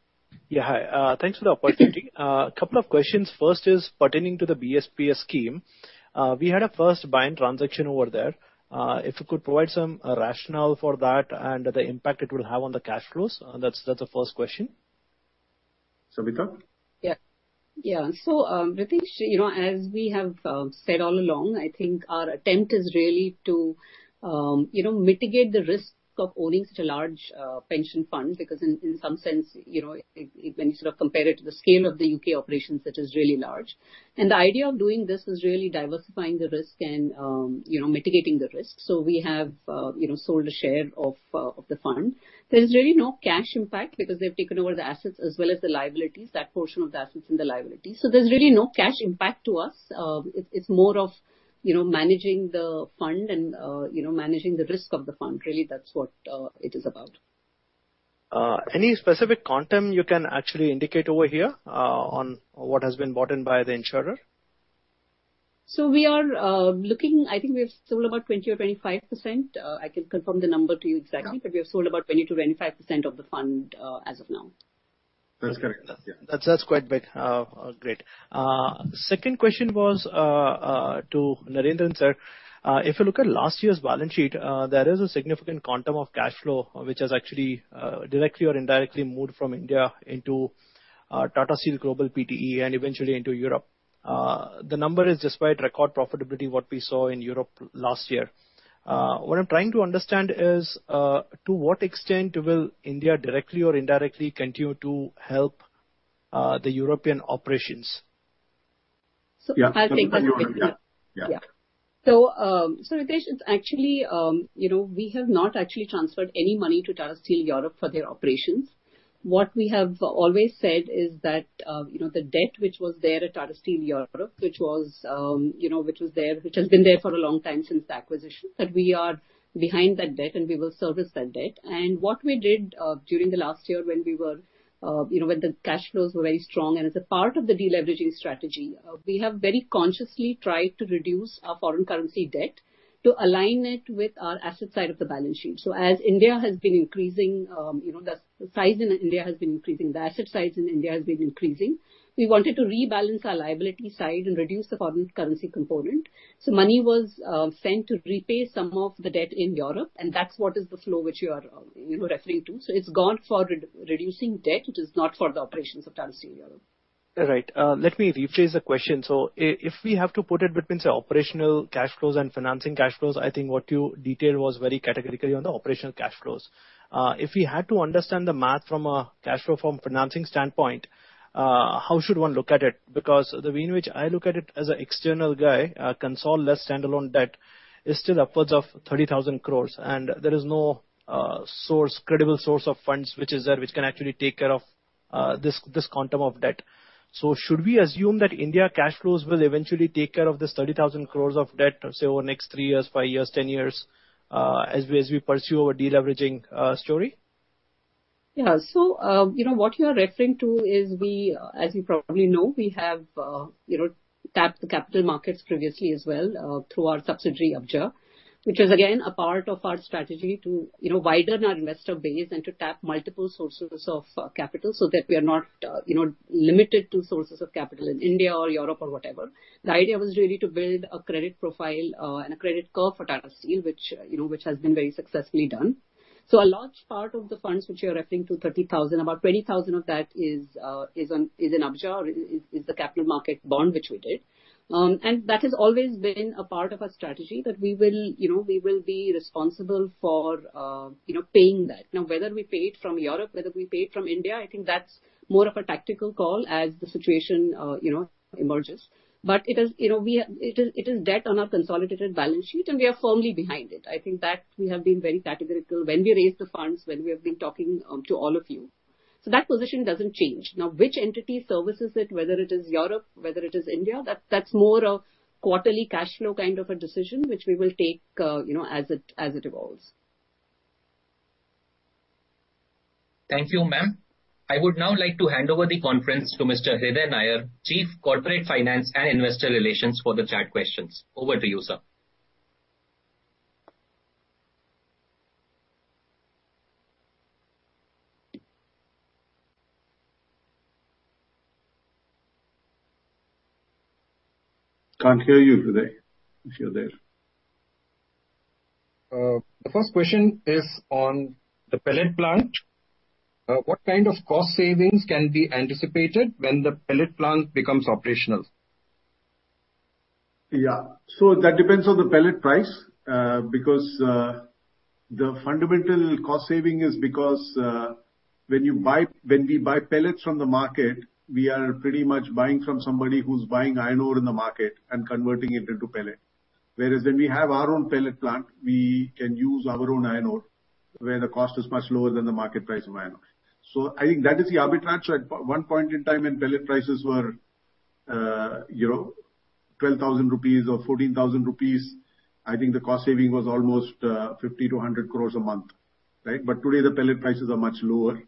Yeah, hi. Thanks for the opportunity. Couple of questions. First is pertaining to the BSPS Scheme. We had our first buying transaction over there. If you could provide some rationale for that and the impact it will have on the cash flows. That's the first question. Samita? Ritesh, you know, as we have said all along, I think our attempt is really to, you know, mitigate the risk of owning such a large pension fund because in some sense, you know, when you sort of compare it to the scale of the U.K. operations, it is really large. The idea of doing this is really diversifying the risk and, you know, mitigating the risk. We have, you know, sold a share of the fund. There's really no cash impact because they've taken over the assets as well as the liabilities, that portion of the assets and the liabilities. There's really no cash impact to us. It's more of, you know, managing the fund and, you know, managing the risk of the fund. Really, that's what it is about. Any specific quantum you can actually indicate over here, on what has been bought in by the insurer? We are looking. I think we've sold about 20% or 25%. I can confirm the number to you exactly. Yeah. We have sold about 20%-25% of the fund, as of now. That's correct. Yeah. That's quite big. Great. Second question was to Narendran, sir. If you look at last year's balance sheet, there is a significant quantum of cash flow which has actually directly or indirectly moved from India into T S Global Holdings Pte. Ltd. and eventually into Europe. The number is despite record profitability what we saw in Europe last year. What I'm trying to understand is to what extent will India directly or indirectly continue to help the European operations? Yeah. I'll take that. From your end. Yeah. Yeah. Ritesh, it's actually, you know, we have not actually transferred any money to Tata Steel Europe for their operations. What we have always said is that, you know, the debt which was there at Tata Steel Europe, which has been there for a long time since the acquisition, that we are behind that debt and we will service that debt. What we did during the last year when we were, you know, when the cash flows were very strong and as a part of the deleveraging strategy, we have very consciously tried to reduce our foreign currency debt to align it with our asset side of the balance sheet. As India has been increasing, the size in India has been increasing, the asset size in India has been increasing. We wanted to rebalance our liability side and reduce the foreign currency component. Money was sent to repay some of the debt in Europe, and that's what is the flow which you are referring to. It's gone for reducing debt. It is not for the operations of Tata Steel Europe. Right. Let me rephrase the question. If we have to put it between, say, operational cash flows and financing cash flows, I think what you detailed was very categorically on the operational cash flows. If we had to understand the math from a cash flow from financing standpoint, how should one look at it? Because the way in which I look at it as an external guy, consol-less standalone debt is still upwards of 30,000 crore, and there is no credible source of funds which is there, which can actually take care of this quantum of debt. Should we assume that India cash flows will eventually take care of this 30,000 crore of debt, say, over the next three years, five years, 10 years, as we pursue our deleveraging story? Yeah, you know, what you are referring to is we, as you probably know, we have tapped the capital markets previously as well, through our subsidiary ABJA, which is again a part of our strategy to, you know, widen our investor base and to tap multiple sources of capital so that we are not, you know, limited to sources of capital in India or Europe or whatever. The idea was really to build a credit profile and a credit curve for Tata Steel, which, you know, has been very successfully done. A large part of the funds which you're referring to, 30,000, about 20,000 of that is in ABJA or is the capital market bond which we did. That has always been a part of our strategy that we will, you know, we will be responsible for, you know, paying that. Now, whether we pay it from Europe, whether we pay it from India, I think that's more of a tactical call as the situation emerges. It is debt on our consolidated balance sheet, and we are firmly behind it. I think that we have been very categorical when we raised the funds, when we have been talking to all of you. That position doesn't change. Now, which entity services it, whether it is Europe, whether it is India, that's more a quarterly cash flow kind of a decision, which we will take as it evolves. Thank you, ma'am. I would now like to hand over the conference to Mr. Hriday Nair, Chief of Corporate Finance & Investor Relations for the chat questions. Over to you, sir. Can't hear you, Hriday, if you're there. The first question is on the pellet plant. What kind of cost savings can be anticipated when the pellet plant becomes operational? Yeah. That depends on the pellet price. Because the fundamental cost saving is because when we buy pellets from the market, we are pretty much buying from somebody who's buying iron ore in the market and converting it into pellet. Whereas when we have our own pellet plant, we can use our own iron ore, where the cost is much lower than the market price of iron ore. I think that is the arbitrage. At one point in time when pellet prices were, you know, 12,000 rupees or 14,000 rupees, I think the cost saving was almost 50 crore-100 crore a month, right? Today the pellet prices are much lower.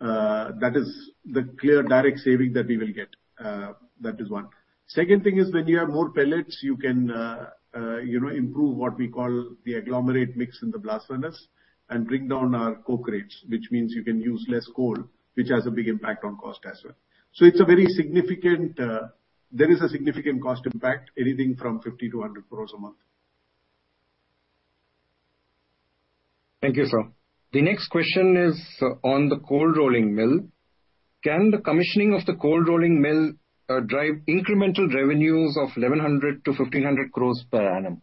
That is the clear direct saving that we will get. That is one. Second thing is when you have more pellets, you can, you know, improve what we call the agglomerate mix in the blast furnace and bring down our coke rates, which means you can use less coal, which has a big impact on cost as well. There is a significant cost impact, anything from 50-100 crores a month. Thank you, sir. The next question is on the Cold Rolling Mill. Can the commissioning of the Cold Rolling Mill drive incremental revenues of 1,100-1,500 crore per annum?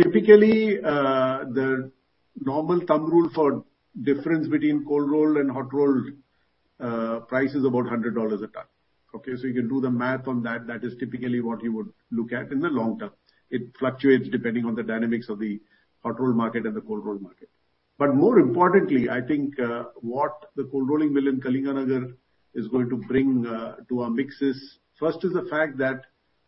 Typically, the normal thumb rule for difference between cold-roll and hot-roll price is about $100 a ton. Okay? You can do the math on that. That is typically what you would look at in the long term. It fluctuates depending on the dynamics of the hot-roll market and the cold-roll market. But more importantly, I think, what the Cold Rolling Mill in Kalinganagar is going to bring to our mix is first the fact that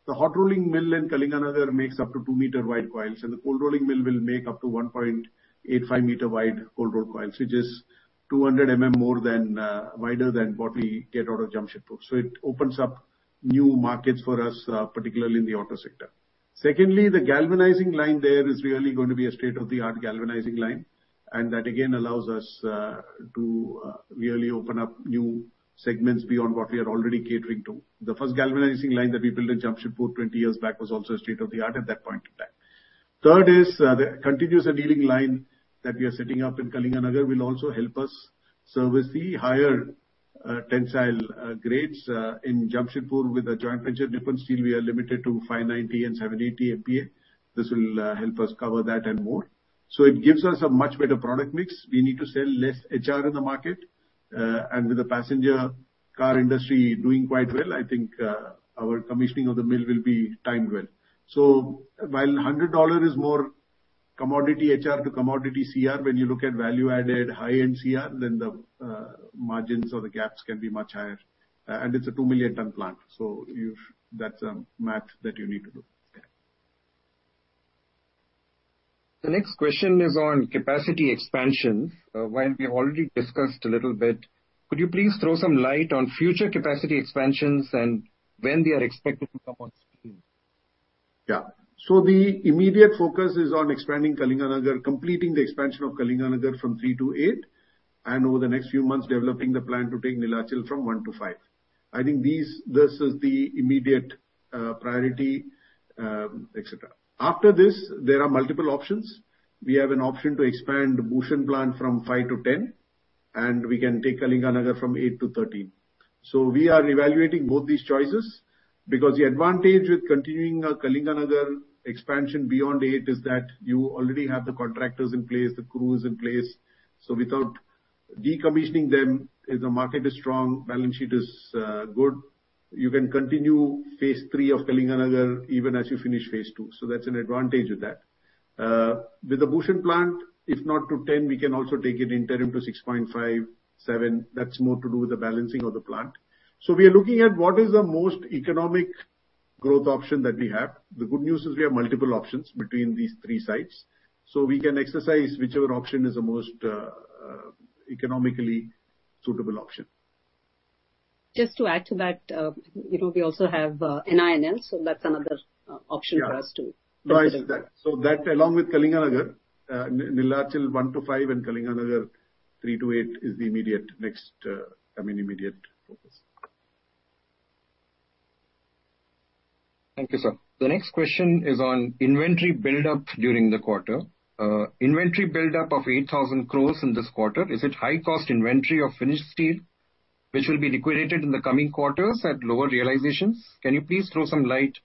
the Hot Rolling Mill in Kalinganagar makes up to 2 m wide coils, and the Cold Rolling Mill will make up to 1.85 m wide cold-roll coils, which is 200 mm wider than what we get out of Jamshedpur. It opens up new markets for us, particularly in the auto sector. Secondly, the galvanizing line there is really going to be a state-of-the-art galvanizing line, and that again allows us to really open up new segments beyond what we are already catering to. The first galvanizing line that we built in Jamshedpur 20 years back was also state-of-the-art at that point in time. Third is the Continuous Annealing Line that we are setting up in Kalinganagar will also help us service the higher tensile grades. In Jamshedpur with a joint venture Nippon Steel we are limited to 590 MPa and 780 MPa. This will help us cover that and more. It gives us a much better product mix. We need to sell less HR in the market. With the passenger car industry doing quite well, I think our commissioning of the mill will be timed well. While $100 is more commodity HR to commodity CR, when you look at value added high-end CR, then the margins or the gaps can be much higher. It's a 2 million ton plant. That's a math that you need to do. The next question is on capacity expansion. While we already discussed a little bit, could you please throw some light on future capacity expansions and when they are expected to come on stream? Yeah. The immediate focus is on expanding Kalinganagar, completing the expansion of Kalinganagar from 3-8, and over the next few months, developing the plan to take Neelachal from 1-5. I think this is the immediate priority, etc. After this, there are multiple options. We have an option to expand Bhushan plant from 5-10, and we can take Kalinganagar from 8-13. We are evaluating both these choices because the advantage with continuing our Kalinganagar expansion beyond 8 is that you already have the contractors in place, the crews in place. Without decommissioning them, if the market is strong, balance sheet is good, you can continue phase three of Kalinganagar even as you finish phase two. That's an advantage with that. With the Bhushan plant, if not to 10, we can also take it interim to 6.5-7. That's more to do with the balancing of the plant. We are looking at what is the most economic growth option that we have. The good news is we have multiple options between these three sites, so we can exercise whichever option is the most economically suitable option. Just to add to that, you know, we also have NINL, so that's another option for us too. That along with Kalinganagar, Neelachal 1-5 and Kalinganagar 3-8 is the immediate next, I mean immediate focus. Thank you, sir. The next question is on inventory buildup during the quarter. Inventory buildup of 8,000 crore in this quarter, is it high cost inventory of finished steel which will be liquidated in the coming quarters at lower realizations? Can you please throw some light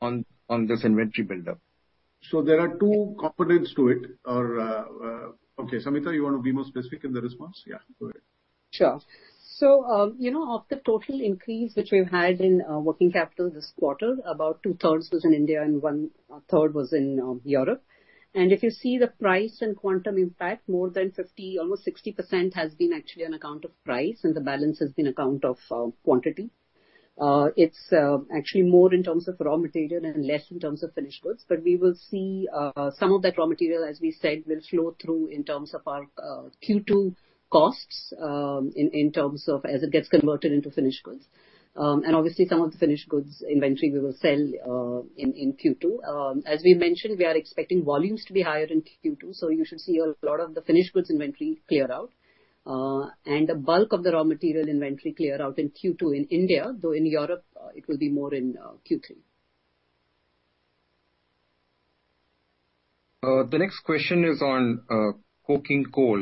on this inventory buildup? There are two components to it. Okay, Samita, you want to be more specific in the response? Yeah, go ahead. Sure. You know, of the total increase which we've had in working capital this quarter, about two-thirds was in India and one-third was in Europe. If you see the price and quantum impact, more than 50%, almost 60% has been actually on account of price, and the balance has been account of quantity. It's actually more in terms of raw material and less in terms of finished goods. We will see some of that raw material, as we said, will flow through in terms of our Q2 costs, in terms of as it gets converted into finished goods. Obviously some of the finished goods inventory we will sell in Q2. As we mentioned, we are expecting volumes to be higher in Q2, so you should see a lot of the finished goods inventory clear out. The bulk of the raw material inventory clear out in Q2 in India, though in Europe, it will be more in Q3. The next question is on coking coal.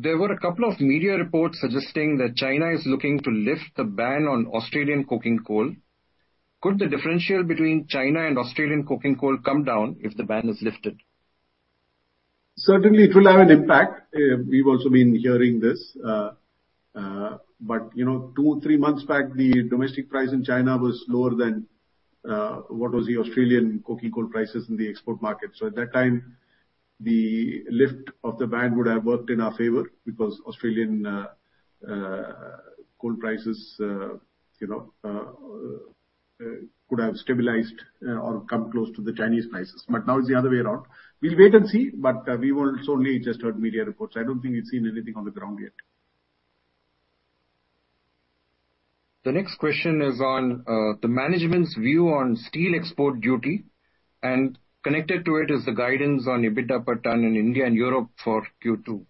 There were a couple of media reports suggesting that China is looking to lift the ban on Australian coking coal. Could the differential between China and Australian coking coal come down if the ban is lifted? Certainly it will have an impact. We've also been hearing this. You know, two, three months back, the domestic price in China was lower than what was the Australian coking coal prices in the export market. At that time, the lift of the ban would have worked in our favor because Australian coal prices you know could have stabilized or come close to the Chinese prices. Now it's the other way around. We'll wait and see, but we've also only just heard media reports. I don't think we've seen anything on the ground yet. The next question is on the management's view on steel export duty, and connected to it is the guidance on EBITDA per ton in India and Europe for Q2.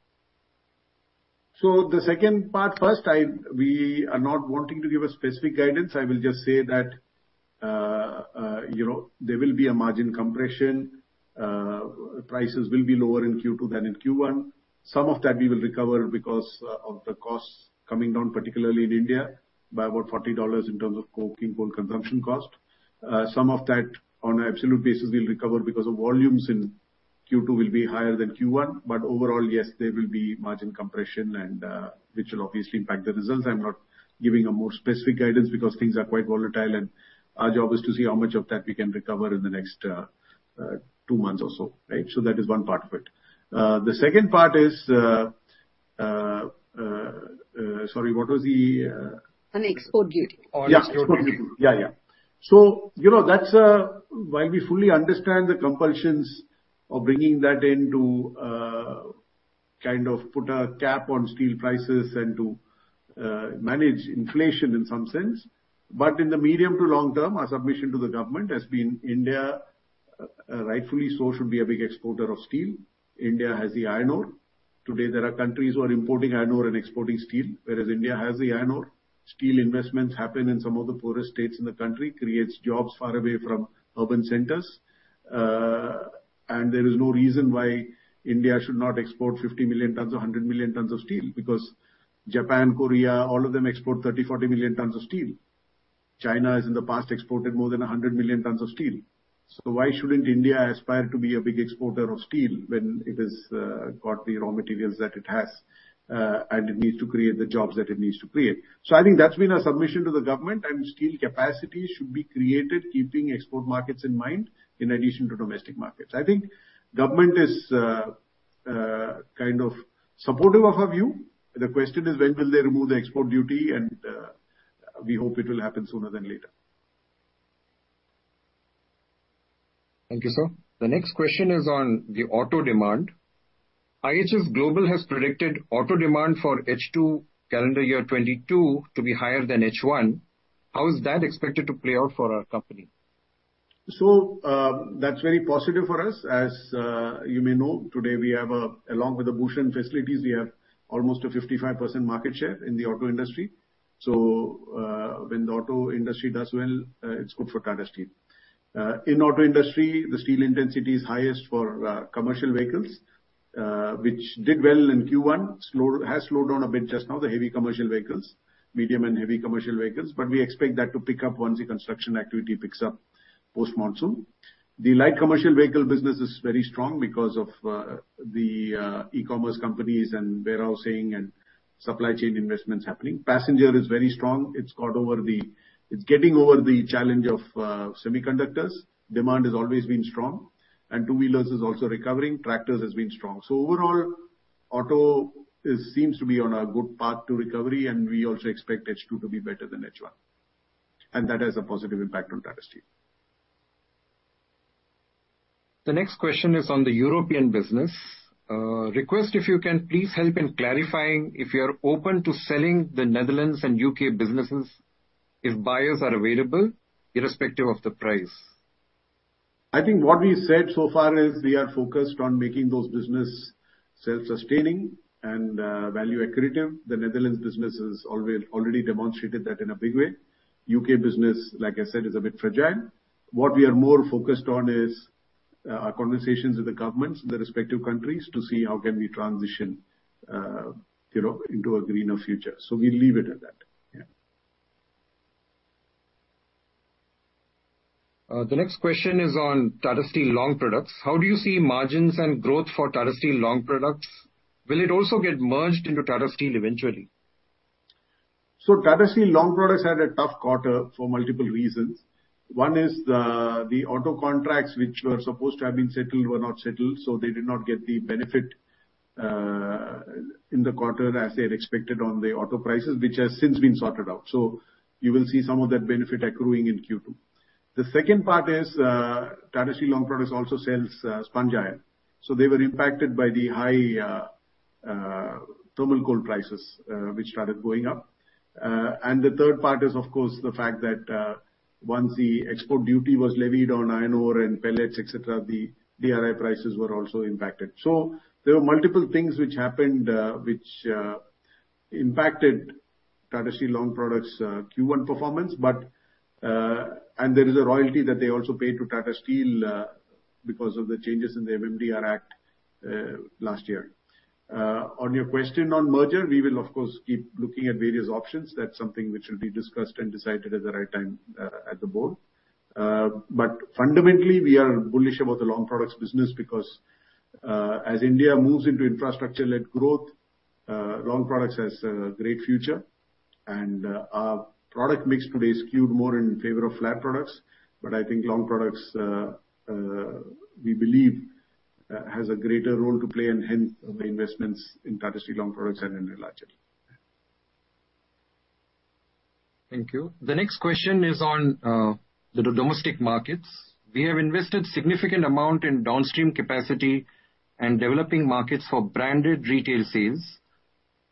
The second part first, we are not wanting to give a specific guidance. I will just say that, you know, there will be a margin compression. Prices will be lower in Q2 than in Q1. Some of that we will recover because of the costs coming down, particularly in India, by about $40 in terms of coking coal consumption cost. Some of that on an absolute basis we'll recover because the volumes in Q2 will be higher than Q1. But overall, yes, there will be margin compression and, which will obviously impact the results. I'm not giving a more specific guidance because things are quite volatile, and our job is to see how much of that we can recover in the next, two months or so. Right. That is one part of it. Sorry, what was the... On export duty. On export duty. Yeah, export duty. Yeah, yeah. You know, that's while we fully understand the compulsions of bringing that in to kind of put a cap on steel prices and to manage inflation in some sense. In the medium to long term, our submission to the government has been India, rightfully so, should be a big exporter of steel. India has the iron ore. Today, there are countries who are importing iron ore and exporting steel, whereas India has the iron ore. Steel investments happen in some of the poorest states in the country, creates jobs far away from urban centers. There is no reason why India should not export 50 million tons or 100 million tons of steel. Because Japan, Korea, all of them export 30, 40 million tons of steel. China has in the past exported more than 100 million tons of steel. Why shouldn't India aspire to be a big exporter of steel when it has got the raw materials that it has and it needs to create the jobs that it needs to create? I think that's been our submission to the government, and steel capacity should be created keeping export markets in mind in addition to domestic markets. I think government is kind of supportive of our view. The question is when will they remove the export duty, and we hope it will happen sooner than later. Thank you, sir. The next question is on the auto demand. IHS Global has predicted auto demand for H2 calendar year 2022 to be higher than H1. How is that expected to play out for our company? That's very positive for us. As you may know, along with the Bhushan facilities, we have almost a 55% market share in the auto industry. When the auto industry does well, it's good for Tata Steel. In auto industry, the steel intensity is highest for commercial vehicles, which did well in Q1. Has slowed down a bit just now, the heavy commercial vehicles, medium and heavy commercial vehicles, but we expect that to pick up once the construction activity picks up post-monsoon. The light commercial vehicle business is very strong because of the e-commerce companies and warehousing and supply chain investments happening. Passenger is very strong. It's getting over the challenge of semiconductors. Demand has always been strong. Two-wheelers is also recovering. Tractors has been strong. Overall, auto seems to be on a good path to recovery, and we also expect H2 to be better than H1, and that has a positive impact on Tata Steel. The next question is on the European business. Request if you can please help in clarifying if you're open to selling the Netherlands and U.K. businesses if buyers are available, irrespective of the price. I think what we said so far is we are focused on making those business self-sustaining and value accretive. The Netherlands business has already demonstrated that in a big way. U.K. business, like I said, is a bit fragile. What we are more focused on is our conversations with the governments in the respective countries to see how can we transition you know into a greener future. We'll leave it at that. Yeah. The next question is on Tata Steel Long Products. How do you see margins and growth for Tata Steel Long Products? Will it also get merged into Tata Steel eventually? Tata Steel Long Products had a tough quarter for multiple reasons. One is the auto contracts which were supposed to have been settled were not settled, so they did not get the benefit in the quarter as they had expected on the auto prices, which has since been sorted out. You will see some of that benefit accruing in Q2. The second part is Tata Steel Long Products also sells sponge iron, so they were impacted by the high thermal coal prices which started going up. The third part is, of course, the fact that once the export duty was levied on iron ore and pellets, et cetera, the DRI prices were also impacted. There were multiple things which happened which impacted Tata Steel Long Products' Q1 performance, but There is a royalty that they also pay to Tata Steel, because of the changes in the MMDR Act, last year. On your question on merger, we will of course keep looking at various options. That's something which will be discussed and decided at the right time, at the board. Fundamentally, we are bullish about the Long Products business because, as India moves into infrastructure-led growth, Long Products has a great future. Our product mix today is skewed more in favor of flat products, but I think Long Products, we believe, has a greater role to play, and hence the investments in Tata Steel Long Products and in Neelachal. Thank you. The next question is on the domestic markets. We have invested significant amount in downstream capacity and developing markets for branded retail sales.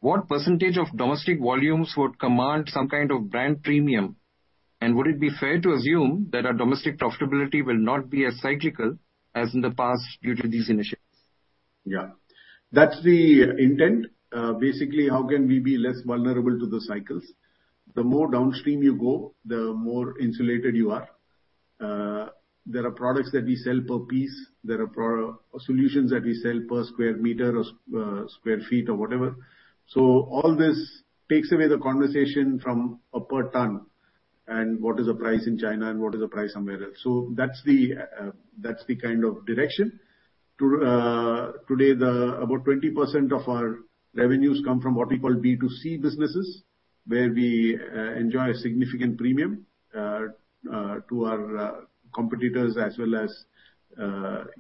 What percentage of domestic volumes would command some kind of brand premium? And would it be fair to assume that our domestic profitability will not be as cyclical as in the past due to these initiatives? Yeah. That's the intent. Basically, how can we be less vulnerable to the cycles? The more downstream you go, the more insulated you are. There are products that we sell per piece. There are pro-solutions that we sell per square meter or square feet or whatever. All this takes away the conversation from a per ton, and what is the price in China and what is the price somewhere else. That's the kind of direction. Today, about 20% of our revenues come from what we call B2C businesses, where we enjoy a significant premium to our competitors as well as,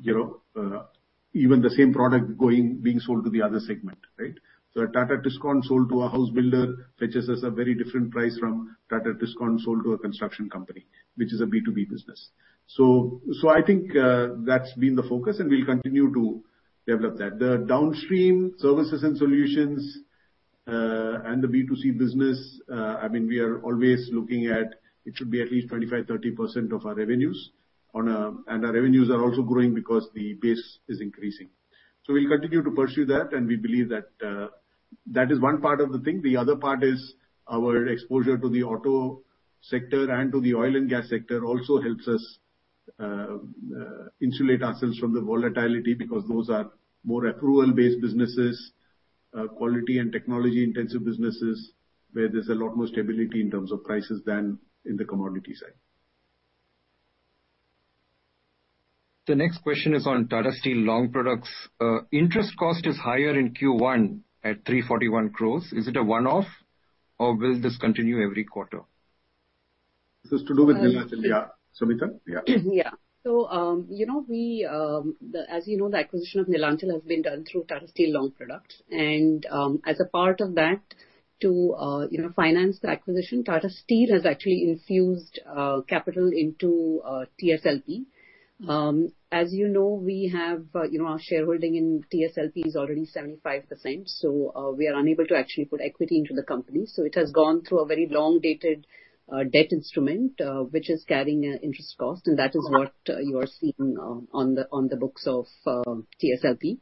you know, even the same product going, being sold to the other segment, right? A Tata Tiscon sold to a house builder fetches us a very different price from Tata Tiscon sold to a construction company, which is a B2B business. I think that's been the focus, and we'll continue to develop that. The downstream services and solutions and the B2C business, I mean, we are always looking at it should be at least 25%-30% of our revenues on a. Our revenues are also growing because the base is increasing. We'll continue to pursue that, and we believe that that is one part of the thing. The other part is our exposure to the auto sector and to the oil and gas sector also helps us insulate ourselves from the volatility, because those are more approval-based businesses, quality and technology-intensive businesses, where there's a lot more stability in terms of prices than in the commodity side. The next question is on Tata Steel Long Products. Interest cost is higher in Q1 at 341 crores. Is it a one-off, or will this continue every quarter? This is to do with Neelachal. Uh. Yeah. Samita? Yeah. Yeah. As you know, the acquisition of Neelachal has been done through Tata Steel Long Products. As a part of that, to you know finance the acquisition, Tata Steel has actually infused capital into TSLP. As you know, we have you know our shareholding in TSLP is already 75%, so we are unable to actually put equity into the company. It has gone through a very long dated debt instrument, which is carrying an interest cost, and that is what you are seeing on the books of TSLP.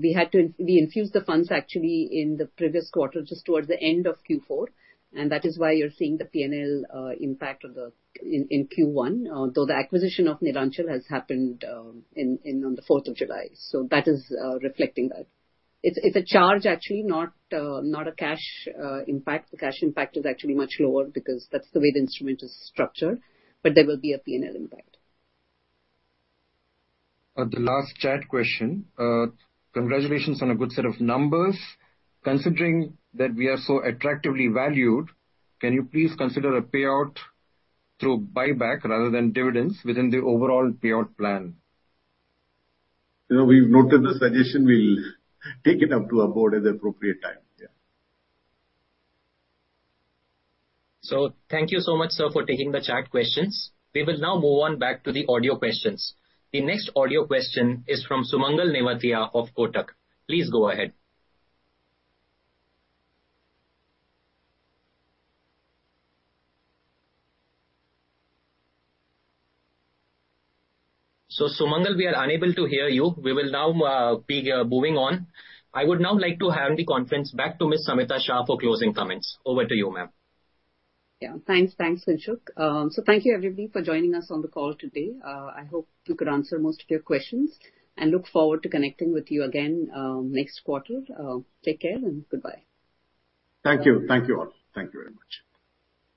We infused the funds actually in the previous quarter, just towards the end of Q4, and that is why you're seeing the P&L impact of the infusion in Q1, though the acquisition of Neelachal has happened on the 4th of July. That is reflecting that. It's a charge actually, not a cash impact. The cash impact is actually much lower because that's the way the instrument is structured, but there will be a P&L impact. The last chat question. Congratulations on a good set of numbers. Considering that we are so attractively valued, can you please consider a payout through buyback rather than dividends within the overall payout plan? You know, we've noted the suggestion. We'll take it up to our board at the appropriate time. Yeah. Thank you so much, sir, for taking the chat questions. We will now move on back to the audio questions. The next audio question is from Sumangal Nevatia of Kotak. Please go ahead. Sumangal, we are unable to hear you. We will now be moving on. I would now like to hand the conference back to Ms. Samita Shah for closing comments. Over to you, ma'am. Yeah. Thanks. Thanks, Kinshuk. Thank you everybody for joining us on the call today. I hope we could answer most of your questions, and look forward to connecting with you again next quarter. Take care and goodbye. Thank you. Thank you all. Thank you very much.